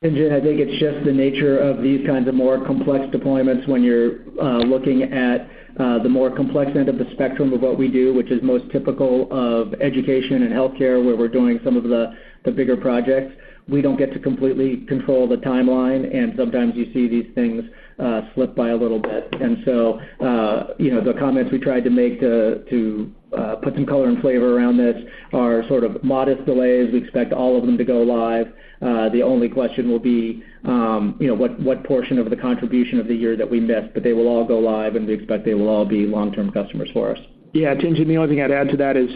Tien-Tsin, I think it's just the nature of these kinds of more complex deployments when you're looking at the more complex end of the spectrum of what we do, which is most typical of education and healthcare, where we're doing some of the bigger projects. We don't get to completely control the timeline, and sometimes you see these things slip by a little bit. And so, you know, the comments we tried to make to put some color and flavor around this are sort of modest delays. We expect all of them to go live. The only question will be, you know, what portion of the contribution of the year that we missed, but they will all go live, and we expect they will all be long-term customers for us. Yeah, Tien-Tsin Huang, the only thing I'd add to that is,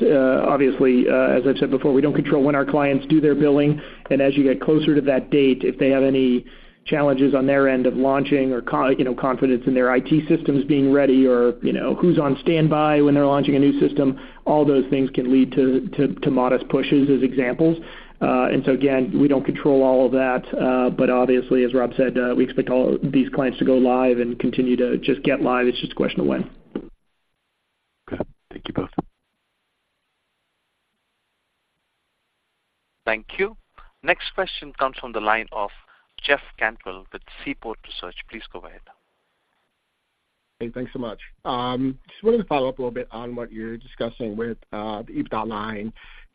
obviously, as I've said before, we don't control when our clients do their billing. And as you get closer to that date, if they have any challenges on their end of launching or, you know, confidence in their IT systems being ready or, you know, who's on standby when they're launching a new system, all those things can lead to modest pushes as examples. And so again, we don't control all of that, but obviously, as Rob said, we expect all these clients to go live and continue to just get live. It's just a question of when. Okay. Thank you both. Thank you. Next question comes from the line of Jeff Cantwell with Seaport Research. Please go ahead. Hey, thanks so much. Just wanted to follow up a little bit on what you're discussing with the EBITDA line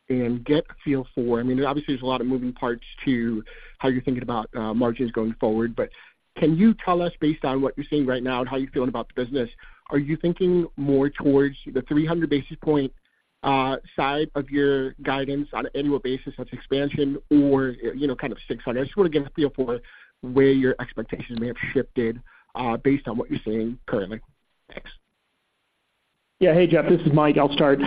and get a feel for, I mean, obviously, there's a lot of moving parts to how you're thinking about margins going forward, but can you tell us, based on what you're seeing right now and how you're feeling about the business, are you thinking more towards the 300 basis points side of your guidance on an annual basis of expansion or, you know, kind of 600? I just wanna get a feel for where your expectations may have shifted based on what you're seeing currently. Thanks. Yeah. Hey, Jeff, this is Mike. I'll start.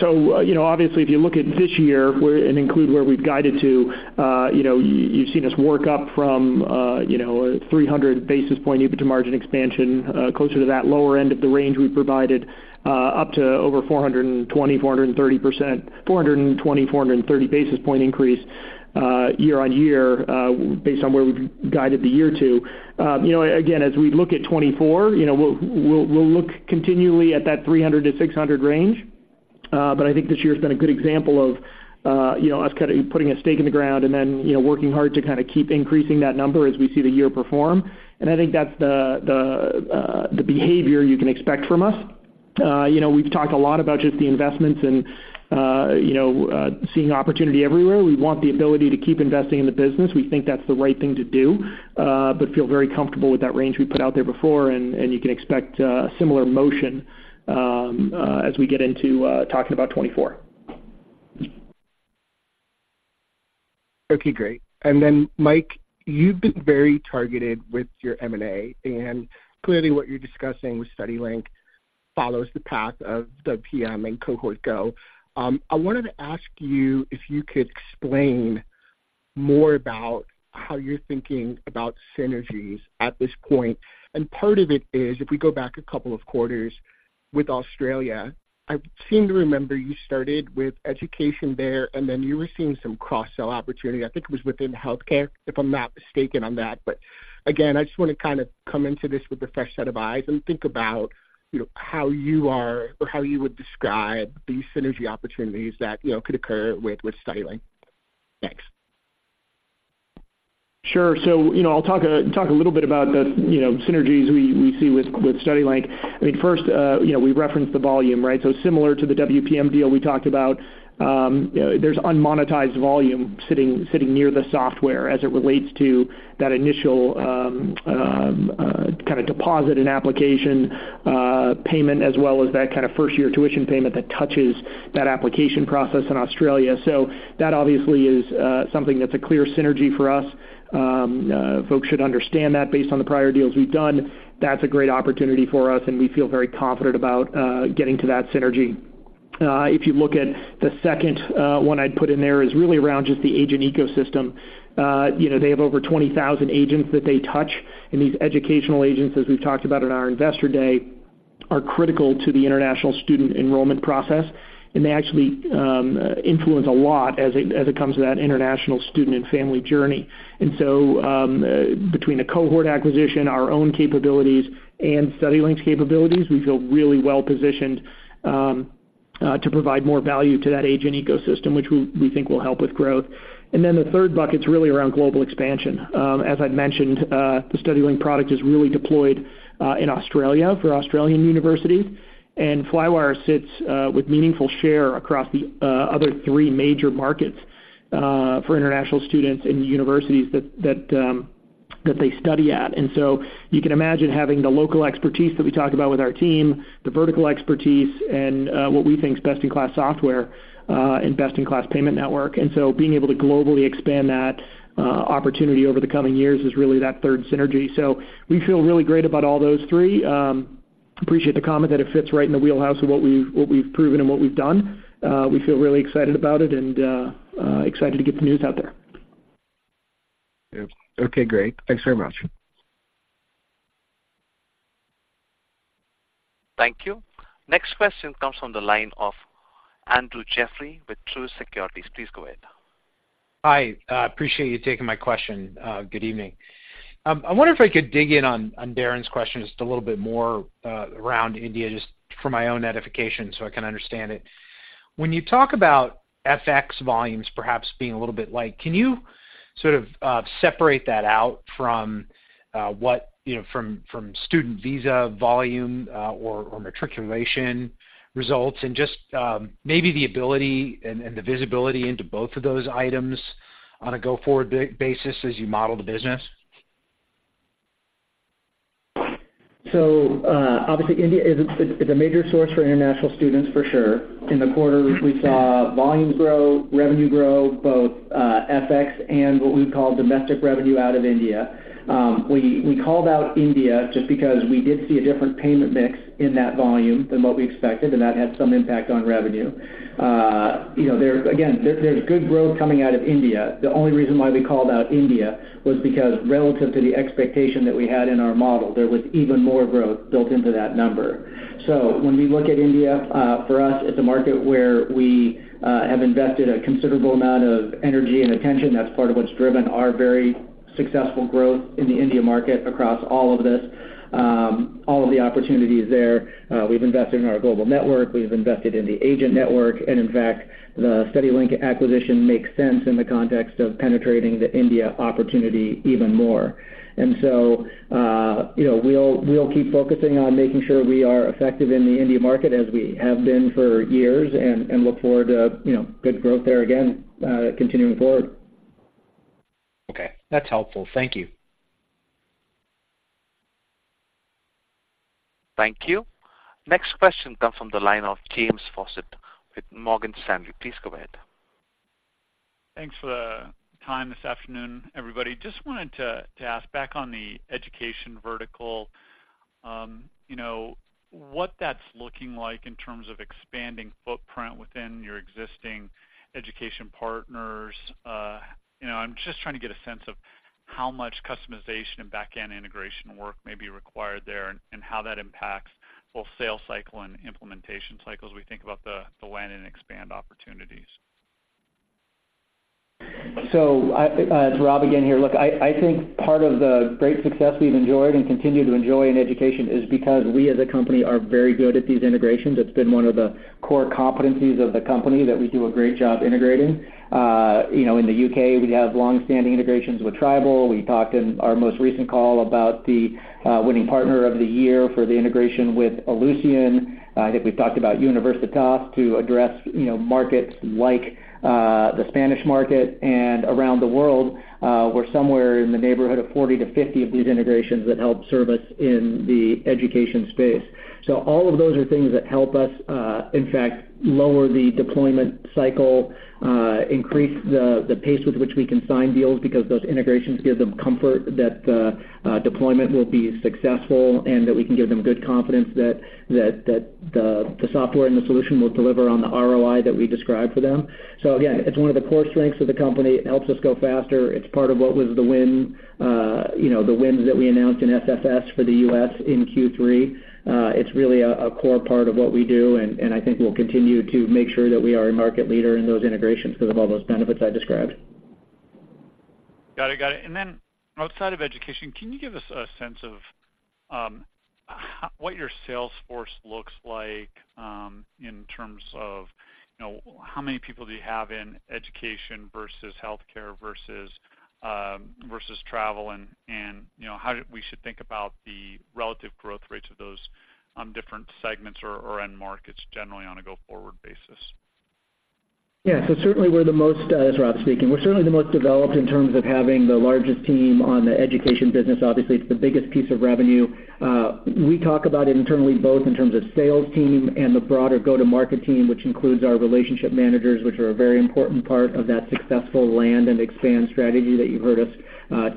So, you know, obviously, if you look at this year, and include where we've guided to, you know, you've seen us work up from, you know, 300 basis point EBITDA margin expansion, closer to that lower end of the range we provided, up to over 420%, 430%. 420, 430 basis point increase, year-on-year, based on where we've guided the year to. You know, again, as we look at 2024, you know, we'll, we'll, we'll look continually at that 300-600 range. But I think this year has been a good example of, you know, us kind of putting a stake in the ground and then, you know, working hard to kind of keep increasing that number as we see the year perform. And I think that's the, the, the behavior you can expect from us. You know, we've talked a lot about just the investments and, you know, seeing opportunity everywhere. We want the ability to keep investing in the business. We think that's the right thing to do, but feel very comfortable with that range we put out there before, and, and you can expect, a similar motion, as we get into, talking about 2024. Okay, great. And then, Mike, you've been very targeted with your M&A, and clearly what you're discussing with StudyLink follows the path of the WPM and Cohort Go. I wanted to ask you if you could explain more about how you're thinking about synergies at this point. And part of it is, if we go back a couple of quarters with Australia, I seem to remember you started with education there, and then you were seeing some cross-sell opportunity. I think it was within healthcare, if I'm not mistaken on that. But again, I just want to kind of come into this with a fresh set of eyes and think about, you know, how you are or how you would describe these synergy opportunities that, you know, could occur with, with StudyLink. Thanks. Sure. So, you know, I'll talk a little bit about the, you know, synergies we see with StudyLink. I think first, you know, we referenced the volume, right? So similar to the WPM deal we talked about, you know, there's unmonetized volume sitting near the software as it relates to that initial kind of deposit and application payment, as well as that kind of first year tuition payment that touches that application process in Australia. So that obviously is something that's a clear synergy for us. Folks should understand that based on the prior deals we've done, that's a great opportunity for us, and we feel very confident about getting to that synergy. If you look at the second one I'd put in there is really around just the agent ecosystem. You know, they have over 20,000 agents that they touch, and these educational agents, as we've talked about in our Investor Day, are critical to the international student enrollment process. And they actually influence a lot as it comes to that international student and family journey. And so, between a Cohort acquisition, our own capabilities, and StudyLink's capabilities, we feel really well positioned to provide more value to that agent ecosystem, which we think will help with growth. And then the third bucket's really around global expansion. As I'd mentioned, the StudyLink product is really deployed in Australia for Australian universities, and Flywire sits with meaningful share across the other three major markets for international students and universities that they study at. So you can imagine having the local expertise that we talk about with our team, the vertical expertise, and what we think is best-in-class software and best-in-class payment network. So being able to globally expand that opportunity over the coming years is really that third synergy. We feel really great about all those three. Appreciate the comment that it fits right in the wheelhouse of what we've proven and what we've done. We feel really excited about it and excited to get the news out there. Okay, great. Thanks very much. Thank you. Next question comes from the line of Andrew Jeffery with Truist Securities. Please go ahead. Hi, I appreciate you taking my question. Good evening. I wonder if I could dig in on Darrin's question just a little bit more, around India, just for my own edification, so I can understand it. When you talk about FX volumes perhaps being a little bit light, can you sort of separate that out from what, you know, from student visa volume, or matriculation results and just maybe the ability and the visibility into both of those items on a go-forward basis as you model the business? So, obviously, India is a, it's a major source for international students for sure. In the quarter, we saw volumes grow, revenue grow, both, FX and what we'd call domestic revenue out of India. We called out India just because we did see a different payment mix in that volume than what we expected, and that had some impact on revenue. You know, there, again, there's good growth coming out of India. The only reason why we called out India was because relative to the expectation that we had in our model, there was even more growth built into that number. So when we look at India, for us, it's a market where we have invested a considerable amount of energy and attention. That's part of what's driven our very successful growth in the India market across all of this, all of the opportunities there. We've invested in our global network, we've invested in the agent network, and in fact, the StudyLink acquisition makes sense in the context of penetrating the India opportunity even more. And so, you know, we'll, we'll keep focusing on making sure we are effective in the India market as we have been for years, and, and look forward to, you know, good growth there again, continuing forward. Okay. That's helpful. Thank you. Thank you. Next question comes from the line of James Faucette with Morgan Stanley. Please go ahead. Thanks for the time this afternoon, everybody. Just wanted to ask back on the education vertical, you know, what that's looking like in terms of expanding footprint within your existing education partners. You know, I'm just trying to get a sense of how much customization and back-end integration work may be required there and how that impacts both sales cycle and implementation cycles as we think about the land and expand opportunities. It's Rob again here. Look, I think part of the great success we've enjoyed and continue to enjoy in education is because we as a company are very good at these integrations. It's been one of the core competencies of the company that we do a great job integrating. You know, in the U.K., we have long-standing integrations with Tribal. We talked in our most recent call about the winning partner of the year for the integration with Ellucian. I think we've talked about Universitas to address, you know, markets like the Spanish market and around the world, we're somewhere in the neighborhood of 40-50 of these integrations that help serve us in the education space. So all of those are things that help us, in fact, lower the deployment cycle, increase the pace with which we can sign deals because those integrations give them comfort that the deployment will be successful, and that we can give them good confidence that the software and the solution will deliver on the ROI that we describe for them. So again, it's one of the core strengths of the company. It helps us go faster. It's part of what was the win, you know, the wins that we announced in SFS for the U.S. in Q3. It's really a core part of what we do, and I think we'll continue to make sure that we are a market leader in those integrations because of all those benefits I described. Got it. Got it. And then outside of education, can you give us a sense of what your sales force looks like in terms of, you know, how many people do you have in education versus healthcare versus travel? And you know, how we should think about the relative growth rates of those different segments or end markets generally on a go-forward basis? Yeah. So certainly we're the most, it's Rob speaking. We're certainly the most developed in terms of having the largest team on the education business. Obviously, it's the biggest piece of revenue. We talk about it internally, both in terms of sales team and the broader go-to-market team, which includes our relationship managers, which are a very important part of that successful land and expand strategy that you've heard us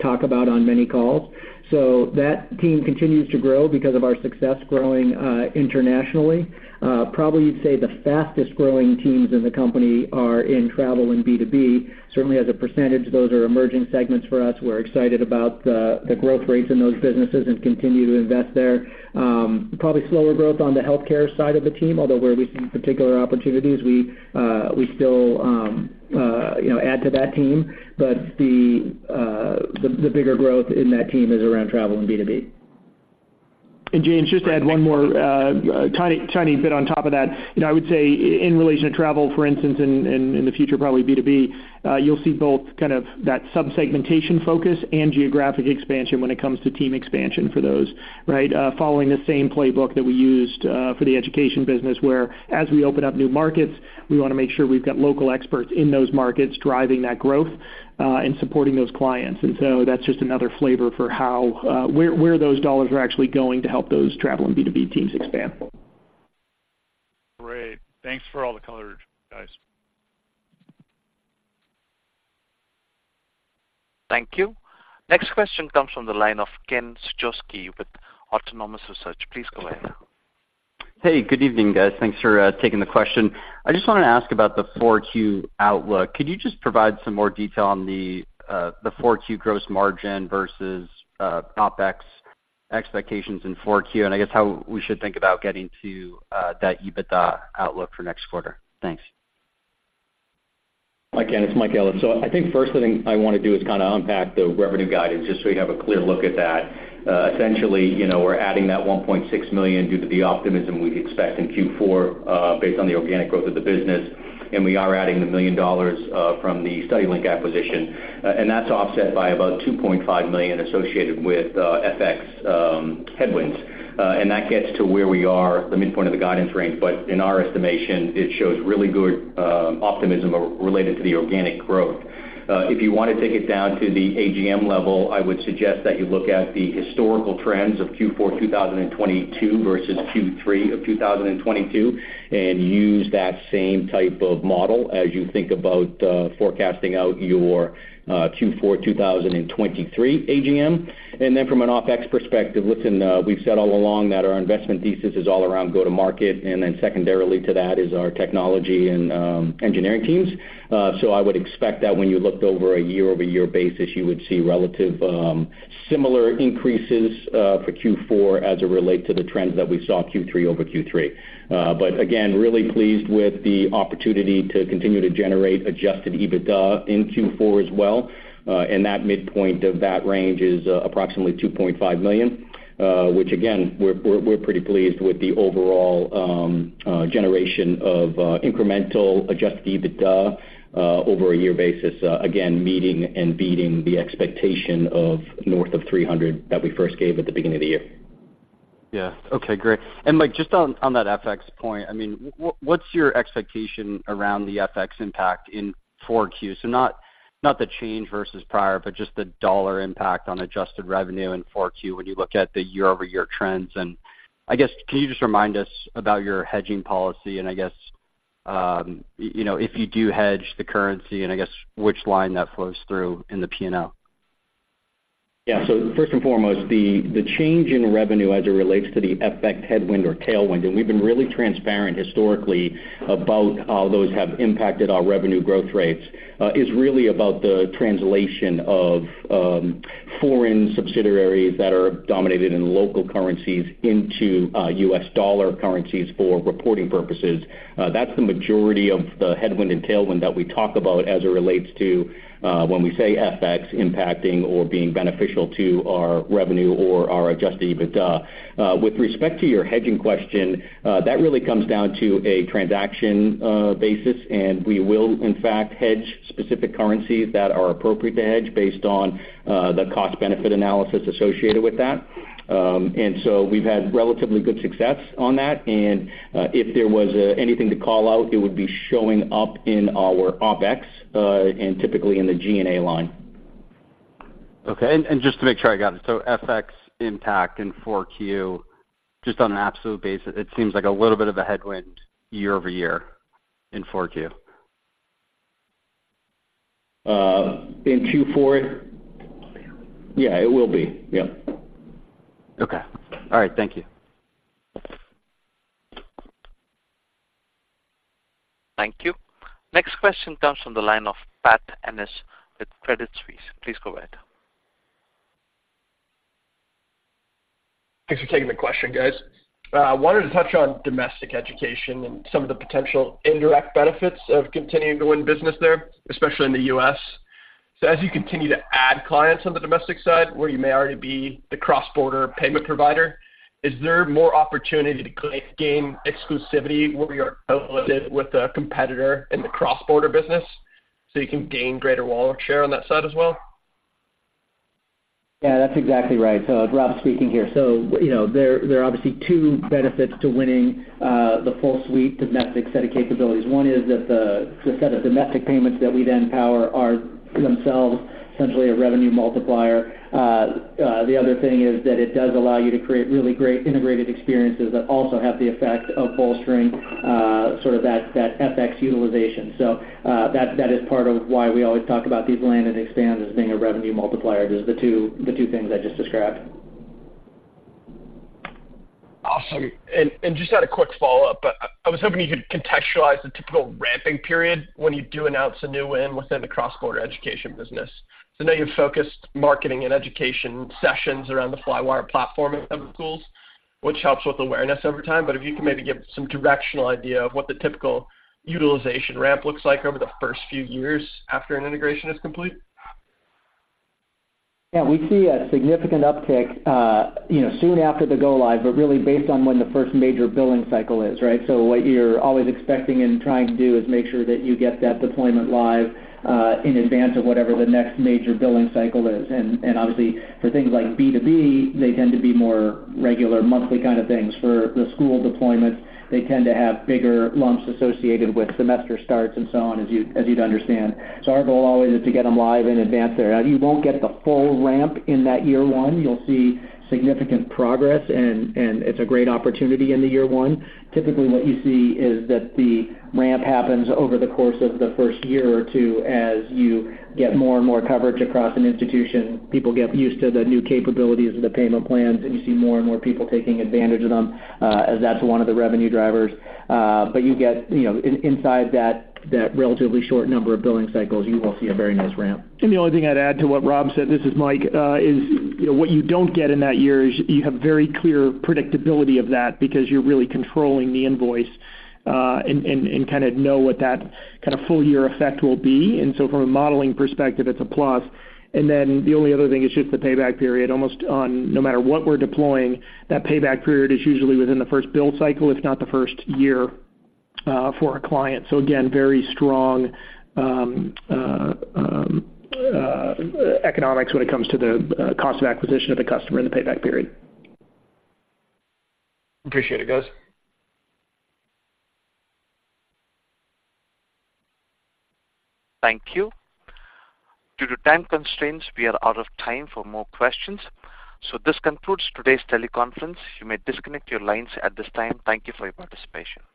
talk about on many calls. So that team continues to grow because of our success growing internationally. Probably you'd say the fastest-growing teams in the company are in travel and B2B. Certainly, as a percentage, those are emerging segments for us. We're excited about the growth rates in those businesses and continue to invest there. Probably slower growth on the healthcare side of the team, although where we see particular opportunities, we still, you know, add to that team. But the bigger growth in that team is around travel and B2B. James, just to add one more, tiny, tiny bit on top of that, you know, I would say in relation to travel, for instance, in the future, probably B2B, you'll see both kind of that sub-segmentation focus and geographic expansion when it comes to team expansion for those, right? Following the same playbook that we used for the education business, where as we open up new markets, we wanna make sure we've got local experts in those markets driving that growth, and supporting those clients. So that's just another flavor for how, where those dollars are actually going to help those travel and B2B teams expand. Great. Thanks for all the color, guys. Thank you. Next question comes from the line of Ken Suchoski with Autonomous Research. Please go ahead. Hey, good evening, guys. Thanks for taking the question. I just wanted to ask about the Q4 outlook. Could you just provide some more detail on the Q4 gross margin versus OpEx expectations in Q4? And I guess how we should think about getting to that EBITDA outlook for next quarter. Thanks. Hi, Ken, it's Mike Ellis. So I think first thing I wanna do is kinda unpack the revenue guidance, just so we have a clear look at that. Essentially, you know, we're adding that $1.6 million due to the optimism we expect in Q4, based on the organic growth of the business, and we are adding the $1 million from the StudyLink acquisition. And that's offset by about $2.5 million associated with FX headwinds. And that gets to where we are, the midpoint of the guidance range, but in our estimation, it shows really good optimism related to the organic growth. If you want to take it down to the AGM level, I would suggest that you look at the historical trends of Q4 2022 versus Q3 of 2022, and use that same type of model as you think about, forecasting out your, Q4 2023 AGM. And then from an OpEx perspective, listen, we've said all along that our investment thesis is all around go-to-market, and then secondarily to that is our technology and, engineering teams. So I would expect that when you looked over a year-over-year basis, you would see relative, similar increases, for Q4 as it relate to the trends that we saw Q3 over Q3. But again, really pleased with the opportunity to continue to generate adjusted EBITDA in Q4 as well. And that midpoint of that range is approximately $2.5 million, which again, we're pretty pleased with the overall generation of incremental adjusted EBITDA over a year basis. Again, meeting and beating the expectation of north of $300 that we first gave at the beginning of the year. Yeah. Okay, great. And Mike, just on that FX point, I mean, what's your expectation around the FX impact in Q4? So not the change versus prior, but just the dollar impact on adjusted revenue in Q4 when you look at the year-over-year trends. And I guess, can you just remind us about your hedging policy and I guess, you know, if you do hedge the currency and I guess which line that flows through in the P&L? Yeah. So first and foremost, the change in revenue as it relates to the FX headwind or tailwind, and we've been really transparent historically about how those have impacted our revenue growth rates, is really about the translation of foreign subsidiaries that are dominated in local currencies into U.S. dollar currencies for reporting purposes. That's the majority of the headwind and tailwind that we talk about as it relates to when we say FX impacting or being beneficial to our revenue or our Adjusted EBITDA. With respect to your hedging question, that really comes down to a transaction basis, and we will in fact hedge specific currencies that are appropriate to hedge based on the cost-benefit analysis associated with that. And so we've had relatively good success on that, and if there was anything to call out, it would be showing up in our OpEx and typically in the G&A line. Okay. And just to make sure I got it, so FX impact in Q4, just on an absolute basis, it seems like a little bit of a headwind year-over-year in Q4. In Q4? Yeah, it will be. Yep. Okay. All right. Thank you. Thank you. Next question comes from the line of Pat Ennis with Credit Suisse. Please go ahead. Thanks for taking the question, guys. I wanted to touch on domestic education and some of the potential indirect benefits of continuing to win business there, especially in the U.S. So as you continue to add clients on the domestic side, where you may already be the cross-border payment provider, is there more opportunity to gain exclusivity where we are outbid with a competitor in the cross-border business, so you can gain greater wallet share on that side as well? Yeah, that's exactly right. So Rob speaking here. So, you know, there are obviously two benefits to winning the full suite domestic set of capabilities. One is that the set of domestic payments that we then power are themselves essentially a revenue multiplier. The other thing is that it does allow you to create really great integrated experiences that also have the effect of bolstering sort of that FX utilization. So, that is part of why we always talk about these land and expand as being a revenue multiplier, is the two things I just described. Awesome. And just had a quick follow-up, but I was hoping you could contextualize the typical ramping period when you do announce a new win within the cross-border education business. So I know you've focused marketing and education sessions around the Flywire platform and other tools, which helps with awareness over time. But if you can maybe give some directional idea of what the typical utilization ramp looks like over the first few years after an integration is complete. Yeah, we see a significant uptick, you know, soon after the go-live, but really based on when the first major billing cycle is, right? So what you're always expecting and trying to do is make sure that you get that deployment live, in advance of whatever the next major billing cycle is. And obviously, for things like B2B, they tend to be more regular monthly kind of things. For the school deployments, they tend to have bigger lumps associated with semester starts and so on, as you'd understand. So our goal always is to get them live in advance there. You won't get the full ramp in that year one. You'll see significant progress, and it's a great opportunity in the year one. Typically, what you see is that the ramp happens over the course of the first year or two as you get more and more coverage across an institution. People get used to the new capabilities of the payment plans, and you see more and more people taking advantage of them, as that's one of the revenue drivers. But you get, you know, inside that relatively short number of billing cycles, you will see a very nice ramp. The only thing I'd add to what Rob said, this is Mike, is, you know, what you don't get in that year is you have very clear predictability of that because you're really controlling the invoice, and, and, and kind of know what that kind of full year effect will be. So from a modeling perspective, it's a plus. Then the only other thing is just the payback period. Almost no matter what we're deploying, that payback period is usually within the first bill cycle, if not the first year, for a client. So again, very strong economics when it comes to the cost of acquisition of the customer and the payback period. Appreciate it, guys. Thank you. Due to time constraints, we are out of time for more questions. So this concludes today's teleconference. You may disconnect your lines at this time. Thank you for your participation.